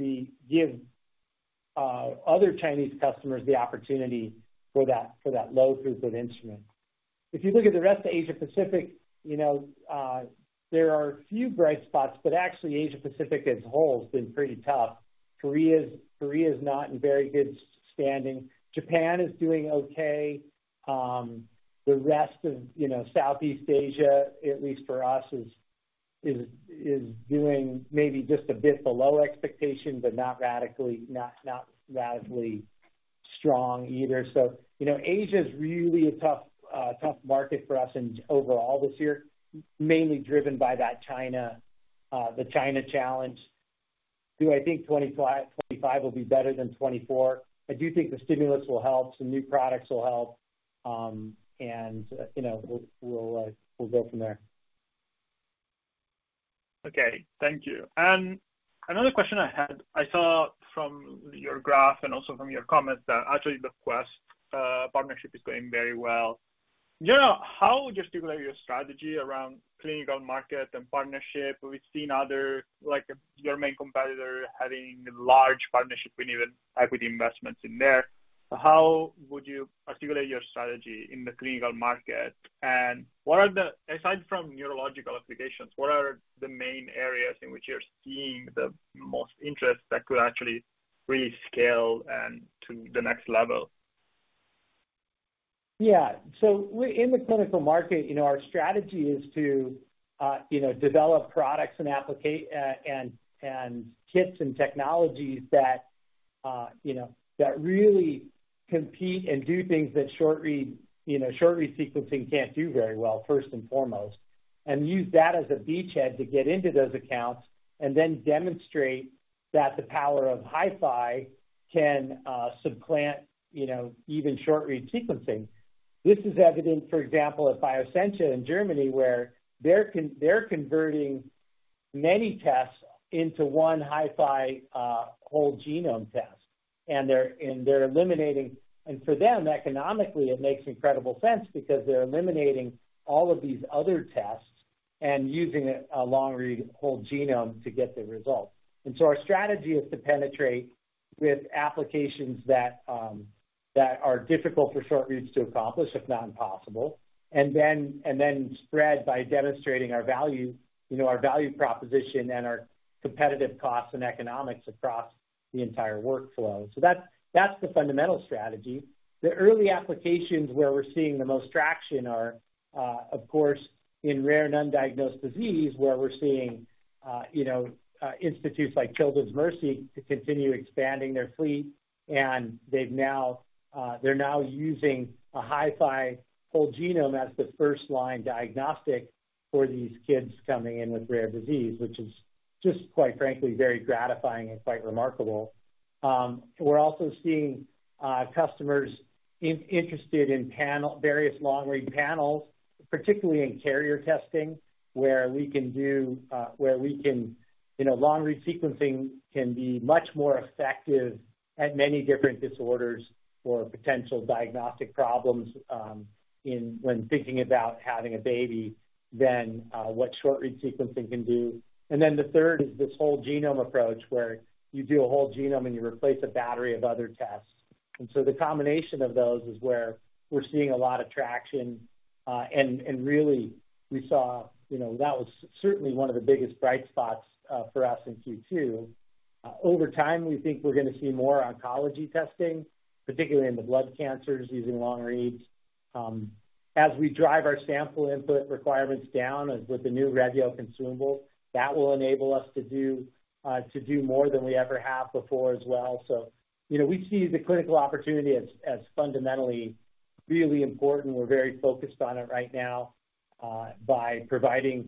other Chinese customers the opportunity for that low-throughput instrument. If you look at the rest of Asia Pacific, you know, there are a few bright spots, but actually, Asia Pacific as a whole has been pretty tough. Korea is not in very good standing. Japan is doing okay. The rest of, you know, Southeast Asia, at least for us, is doing maybe just a bit below expectations, but not radically, not radically strong either. So, you know, Asia is really a tough, tough market for us and overall this year, mainly driven by that China, the China challenge. Do I think 2025, 2025 will be better than 2024? I do think the stimulus will help, some new products will help. And, you know, we'll, we'll, we'll go from there. Okay, thank you. And another question I had, I saw from your graph and also from your comments that actually the Quest partnership is going very well. Do you know how would you articulate your strategy around clinical market and partnership? We've seen other, like, your main competitor, having large partnership and even equity investments in there. How would you articulate your strategy in the clinical market? And what are the-- aside from neurological applications, what are the main areas in which you're seeing the most interest that could actually really scale and to the next level? Yeah. So, in the clinical market, you know, our strategy is to, you know, develop products and applications and kits and technologies that, you know, that really compete and do things that short read, you know, short-read sequencing can't do very well, first and foremost, and use that as a beachhead to get into those accounts, and then demonstrate that the power of HiFi can supplant, you know, even short-read sequencing. This is evident, for example, at Bioscentia in Germany, where they're converting many tests into one HiFi whole genome test, and they're eliminating. And for them, economically, it makes incredible sense because they're eliminating all of these other tests and using a long-read whole genome to get the results. And so our strategy is to penetrate with applications that are difficult for short reads to accomplish, if not impossible, and then spread by demonstrating our value, you know, our value proposition and our competitive costs and economics across the entire workflow. So that's the fundamental strategy. The early applications where we're seeing the most traction are, of course, in rare and undiagnosed disease, where we're seeing, you know, institutes like Children's Mercy to continue expanding their fleet, and they've now, they're now using a HiFi whole genome as the first line diagnostic for these kids coming in with rare disease, which is just, quite frankly, very gratifying and quite remarkable. We're also seeing customers interested in various long-read panels, particularly in carrier testing, where we can do, where we can... You know, long-read sequencing can be much more effective at many different disorders or potential diagnostic problems, when thinking about having a baby, than what short-read sequencing can do. And then the third is this whole genome approach, where you do a whole genome and you replace a battery of other tests. And so the combination of those is where we're seeing a lot of traction, and really, we saw, you know, that was certainly one of the biggest bright spots, for us in Q2. Over time, we think we're going to see more oncology testing, particularly in the blood cancers, using long reads. As we drive our sample input requirements down with the new Revio consumable, that will enable us to do to do more than we ever have before as well. You know, we see the clinical opportunity as fundamentally really important. We're very focused on it right now by providing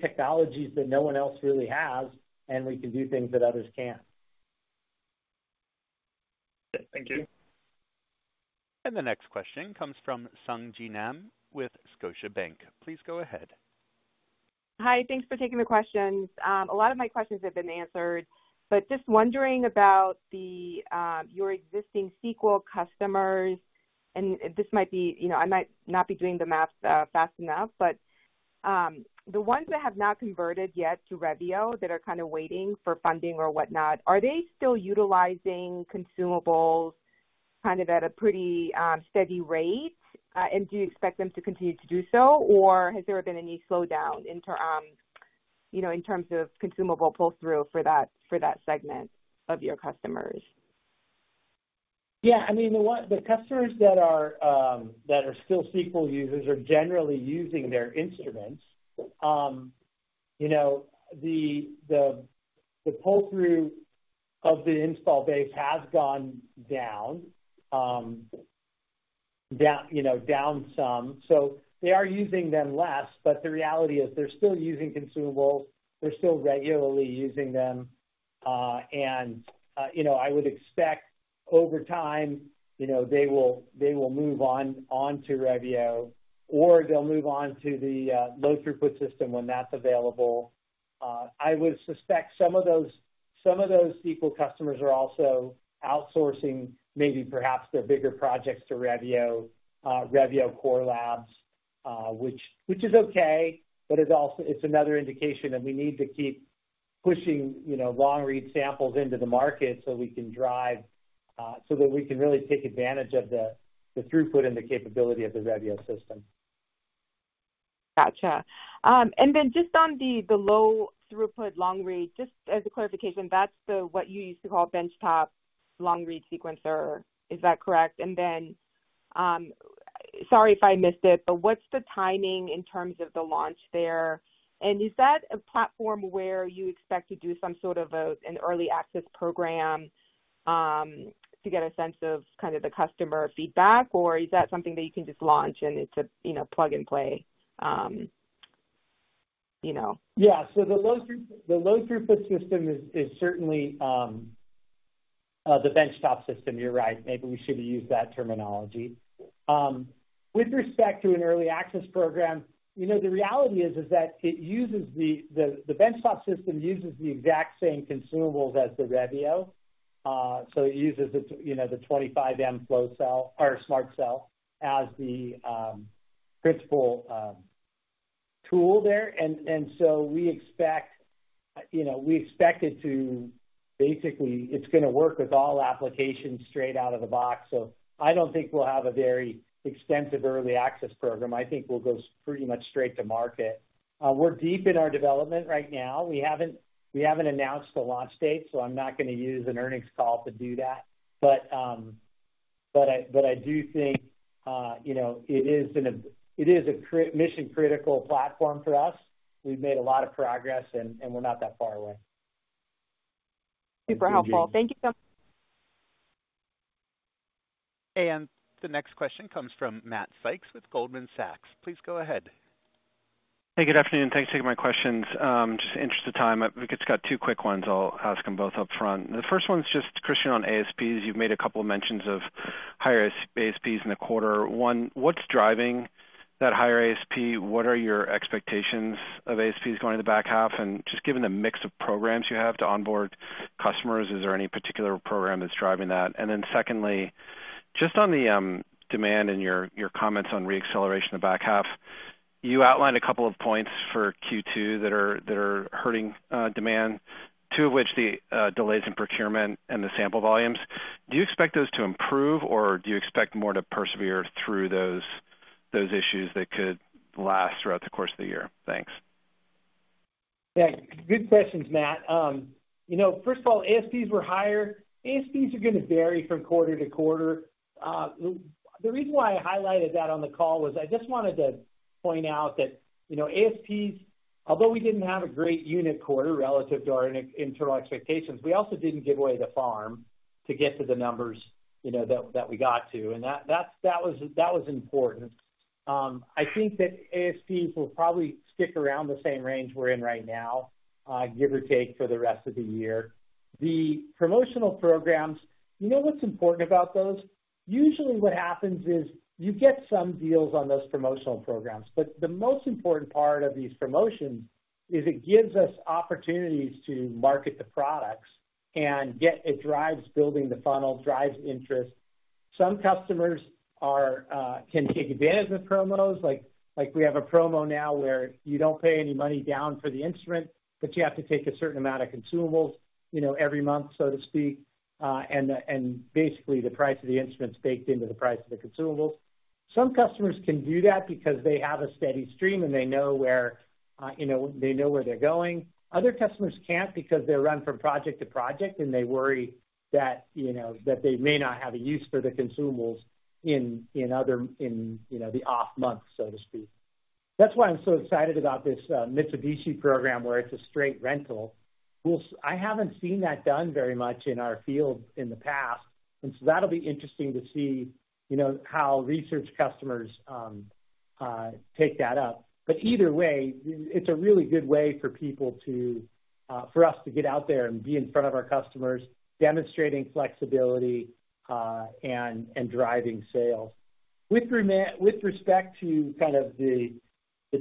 technologies that no one else really has, and we can do things that others can't. Thank you. The next question comes from Sung Ji Nam with Scotiabank. Please go ahead. Hi, thanks for taking the questions. A lot of my questions have been answered, but just wondering about your existing Sequel customers, and this might be, you know, I might not be doing the math fast enough, but the ones that have not converted yet to Revio, that are kind of waiting for funding or whatnot, are they still utilizing consumables kind of at a pretty steady rate? And do you expect them to continue to do so, or has there been any slowdown in terms, you know, in terms of consumable pull-through for that segment of your customers? Yeah, I mean, the customers that are still Sequel users are generally using their instruments. You know, the pull-through of the installed base has gone down, you know, down some. So they are using them less, but the reality is they're still using consumables, they're still regularly using them. And you know, I would expect over time, you know, they will move on onto Revio, or they'll move on to the low-throughput system when that's available. I would suspect some of those Sequel customers are also outsourcing maybe perhaps their bigger projects to Revio core labs, which is okay, but is also, it's another indication that we need to keep pushing, you know, long-read samples into the market so we can drive, so that we can really take advantage of the, the throughput and the capability of the Revio system. Gotcha. And then just on the low throughput long read, just as a clarification, that's what you used to call benchtop long read sequencer; is that correct? And then, sorry if I missed it, but what's the timing in terms of the launch there? And is that a platform where you expect to do some sort of an early access program to get a sense of kind of the customer feedback, or is that something that you can just launch and it's a you know, plug-and-play, you know? Yeah. So the low throughput system is certainly the benchtop system. You're right. Maybe we should have used that terminology. With respect to an early access program, you know, the reality is that the benchtop system uses the exact same consumables as the Revio. So it uses the, you know, the 25M flow cell or SMRT Cell as the principal tool there. And so we expect, you know, we expect it to... Basically, it's gonna work with all applications straight out of the box, so I don't think we'll have a very extensive early access program. I think we'll go pretty much straight to market. We're deep in our development right now. We haven't announced a launch date, so I'm not gonna use an earnings call to do that. But I do think, you know, it is a mission-critical platform for us. We've made a lot of progress, and we're not that far away. Super helpful. Thank you so much. The next question comes from Matt Sykes with Goldman Sachs. Please go ahead. Hey, good afternoon. Thanks for taking my questions. Just in the interest of time, I've just got two quick ones. I'll ask them both up front. The first one is just, Christian, on ASPs. You've made a couple mentions of higher ASPs in the quarter. One, what's driving that higher ASP? What are your expectations of ASPs going in the back half? And just given the mix of programs you have to onboard customers, is there any particular program that's driving that? And then secondly, just on the demand and your comments on re-acceleration in the back half, you outlined a couple of points for Q2 that are hurting demand, two of which the delays in procurement and the sample volumes. Do you expect those to improve, or do you expect more to persevere through those issues that could last throughout the course of the year? Thanks. Yeah, good questions, Matt. You know, first of all, ASPs were higher. ASPs are gonna vary from quarter to quarter. The reason why I highlighted that on the call was I just wanted to point out that, you know, ASPs, although we didn't have a great unit quarter relative to our internal expectations, we also didn't give away the farm to get to the numbers, you know, that, that we got to, and that, that's, that was, that was important. I think that ASPs will probably stick around the same range we're in right now, give or take, for the rest of the year. The promotional programs, you know what's important about those? Usually what happens is you get some deals on those promotional programs, but the most important part of these promotions is it gives us opportunities to market the products and get... It drives building the funnel, drives interest. Some customers can take advantage of promos, like, we have a promo now where you don't pay any money down for the instrument, but you have to take a certain amount of consumables, you know, every month, so to speak, and basically, the price of the instrument is baked into the price of the consumables. Some customers can do that because they have a steady stream, and they know where, you know, they know where they're going. Other customers can't because they run from project to project, and they worry that, you know, that they may not have a use for the consumables in other, you know, the off months, so to speak. That's why I'm so excited about this Mitsubishi program, where it's a straight rental. We'll see. I haven't seen that done very much in our field in the past, and so that'll be interesting to see, you know, how research customers take that up. But either way, it's a really good way for people to for us to get out there and be in front of our customers, demonstrating flexibility, and driving sales. With respect to kind of the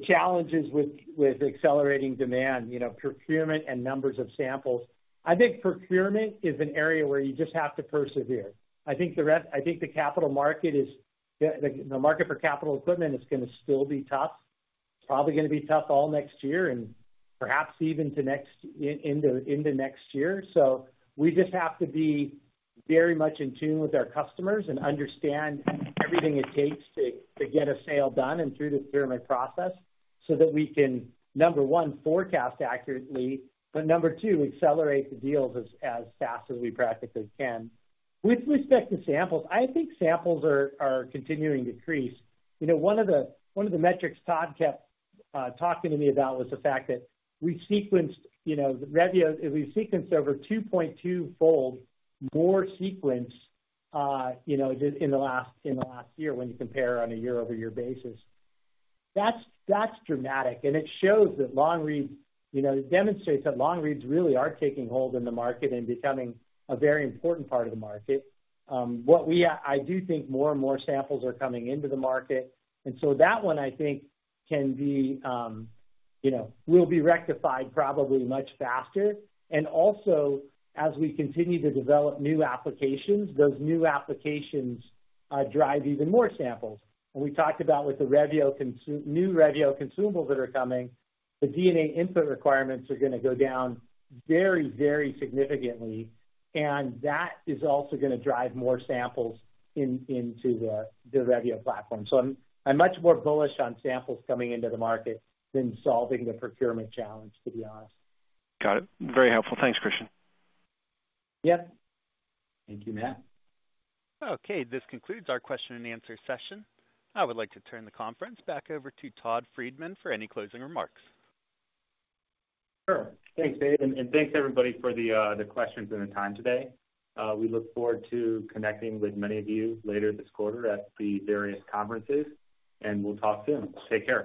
challenges with accelerating demand, you know, procurement and numbers of samples, I think procurement is an area where you just have to persevere. I think the rest, I think the capital market is the market for capital equipment is gonna still be tough. It's probably gonna be tough all next year and perhaps even to next, in the next year. So we just have to be very much in tune with our customers and understand everything it takes to, to get a sale done and through the procurement process, so that we can, number one, forecast accurately, but number two, accelerate the deals as, as fast as we practically can. With respect to samples, I think samples are, are continuing to increase. You know, one of the, one of the metrics Todd kept talking to me about was the fact that we sequenced, you know, the Revio, we've sequenced over 2.2-fold more sequence, you know, just in the last, in the last year, when you compare on a year-over-year basis. That's, that's dramatic, and it shows that long reads, you know, it demonstrates that long reads really are taking hold in the market and becoming a very important part of the market. What we, I do think more and more samples are coming into the market, and so that one, I think, can be, you know, will be rectified probably much faster. And also, as we continue to develop new applications, those new applications drive even more samples. And we talked about with the new Revio consumables that are coming, the DNA input requirements are gonna go down very, very significantly, and that is also gonna drive more samples in, into the Revio platform. So I'm much more bullish on samples coming into the market than solving the procurement challenge, to be honest. Got it. Very helpful. Thanks, Christian. Yep. Thank you, Matt. Okay, this concludes our question-and-answer session. I would like to turn the conference back over to Todd Friedman for any closing remarks. Sure. Thanks, Dave, and thanks, everybody, for the questions and the time today. We look forward to connecting with many of you later this quarter at the various conferences, and we'll talk soon. Take care.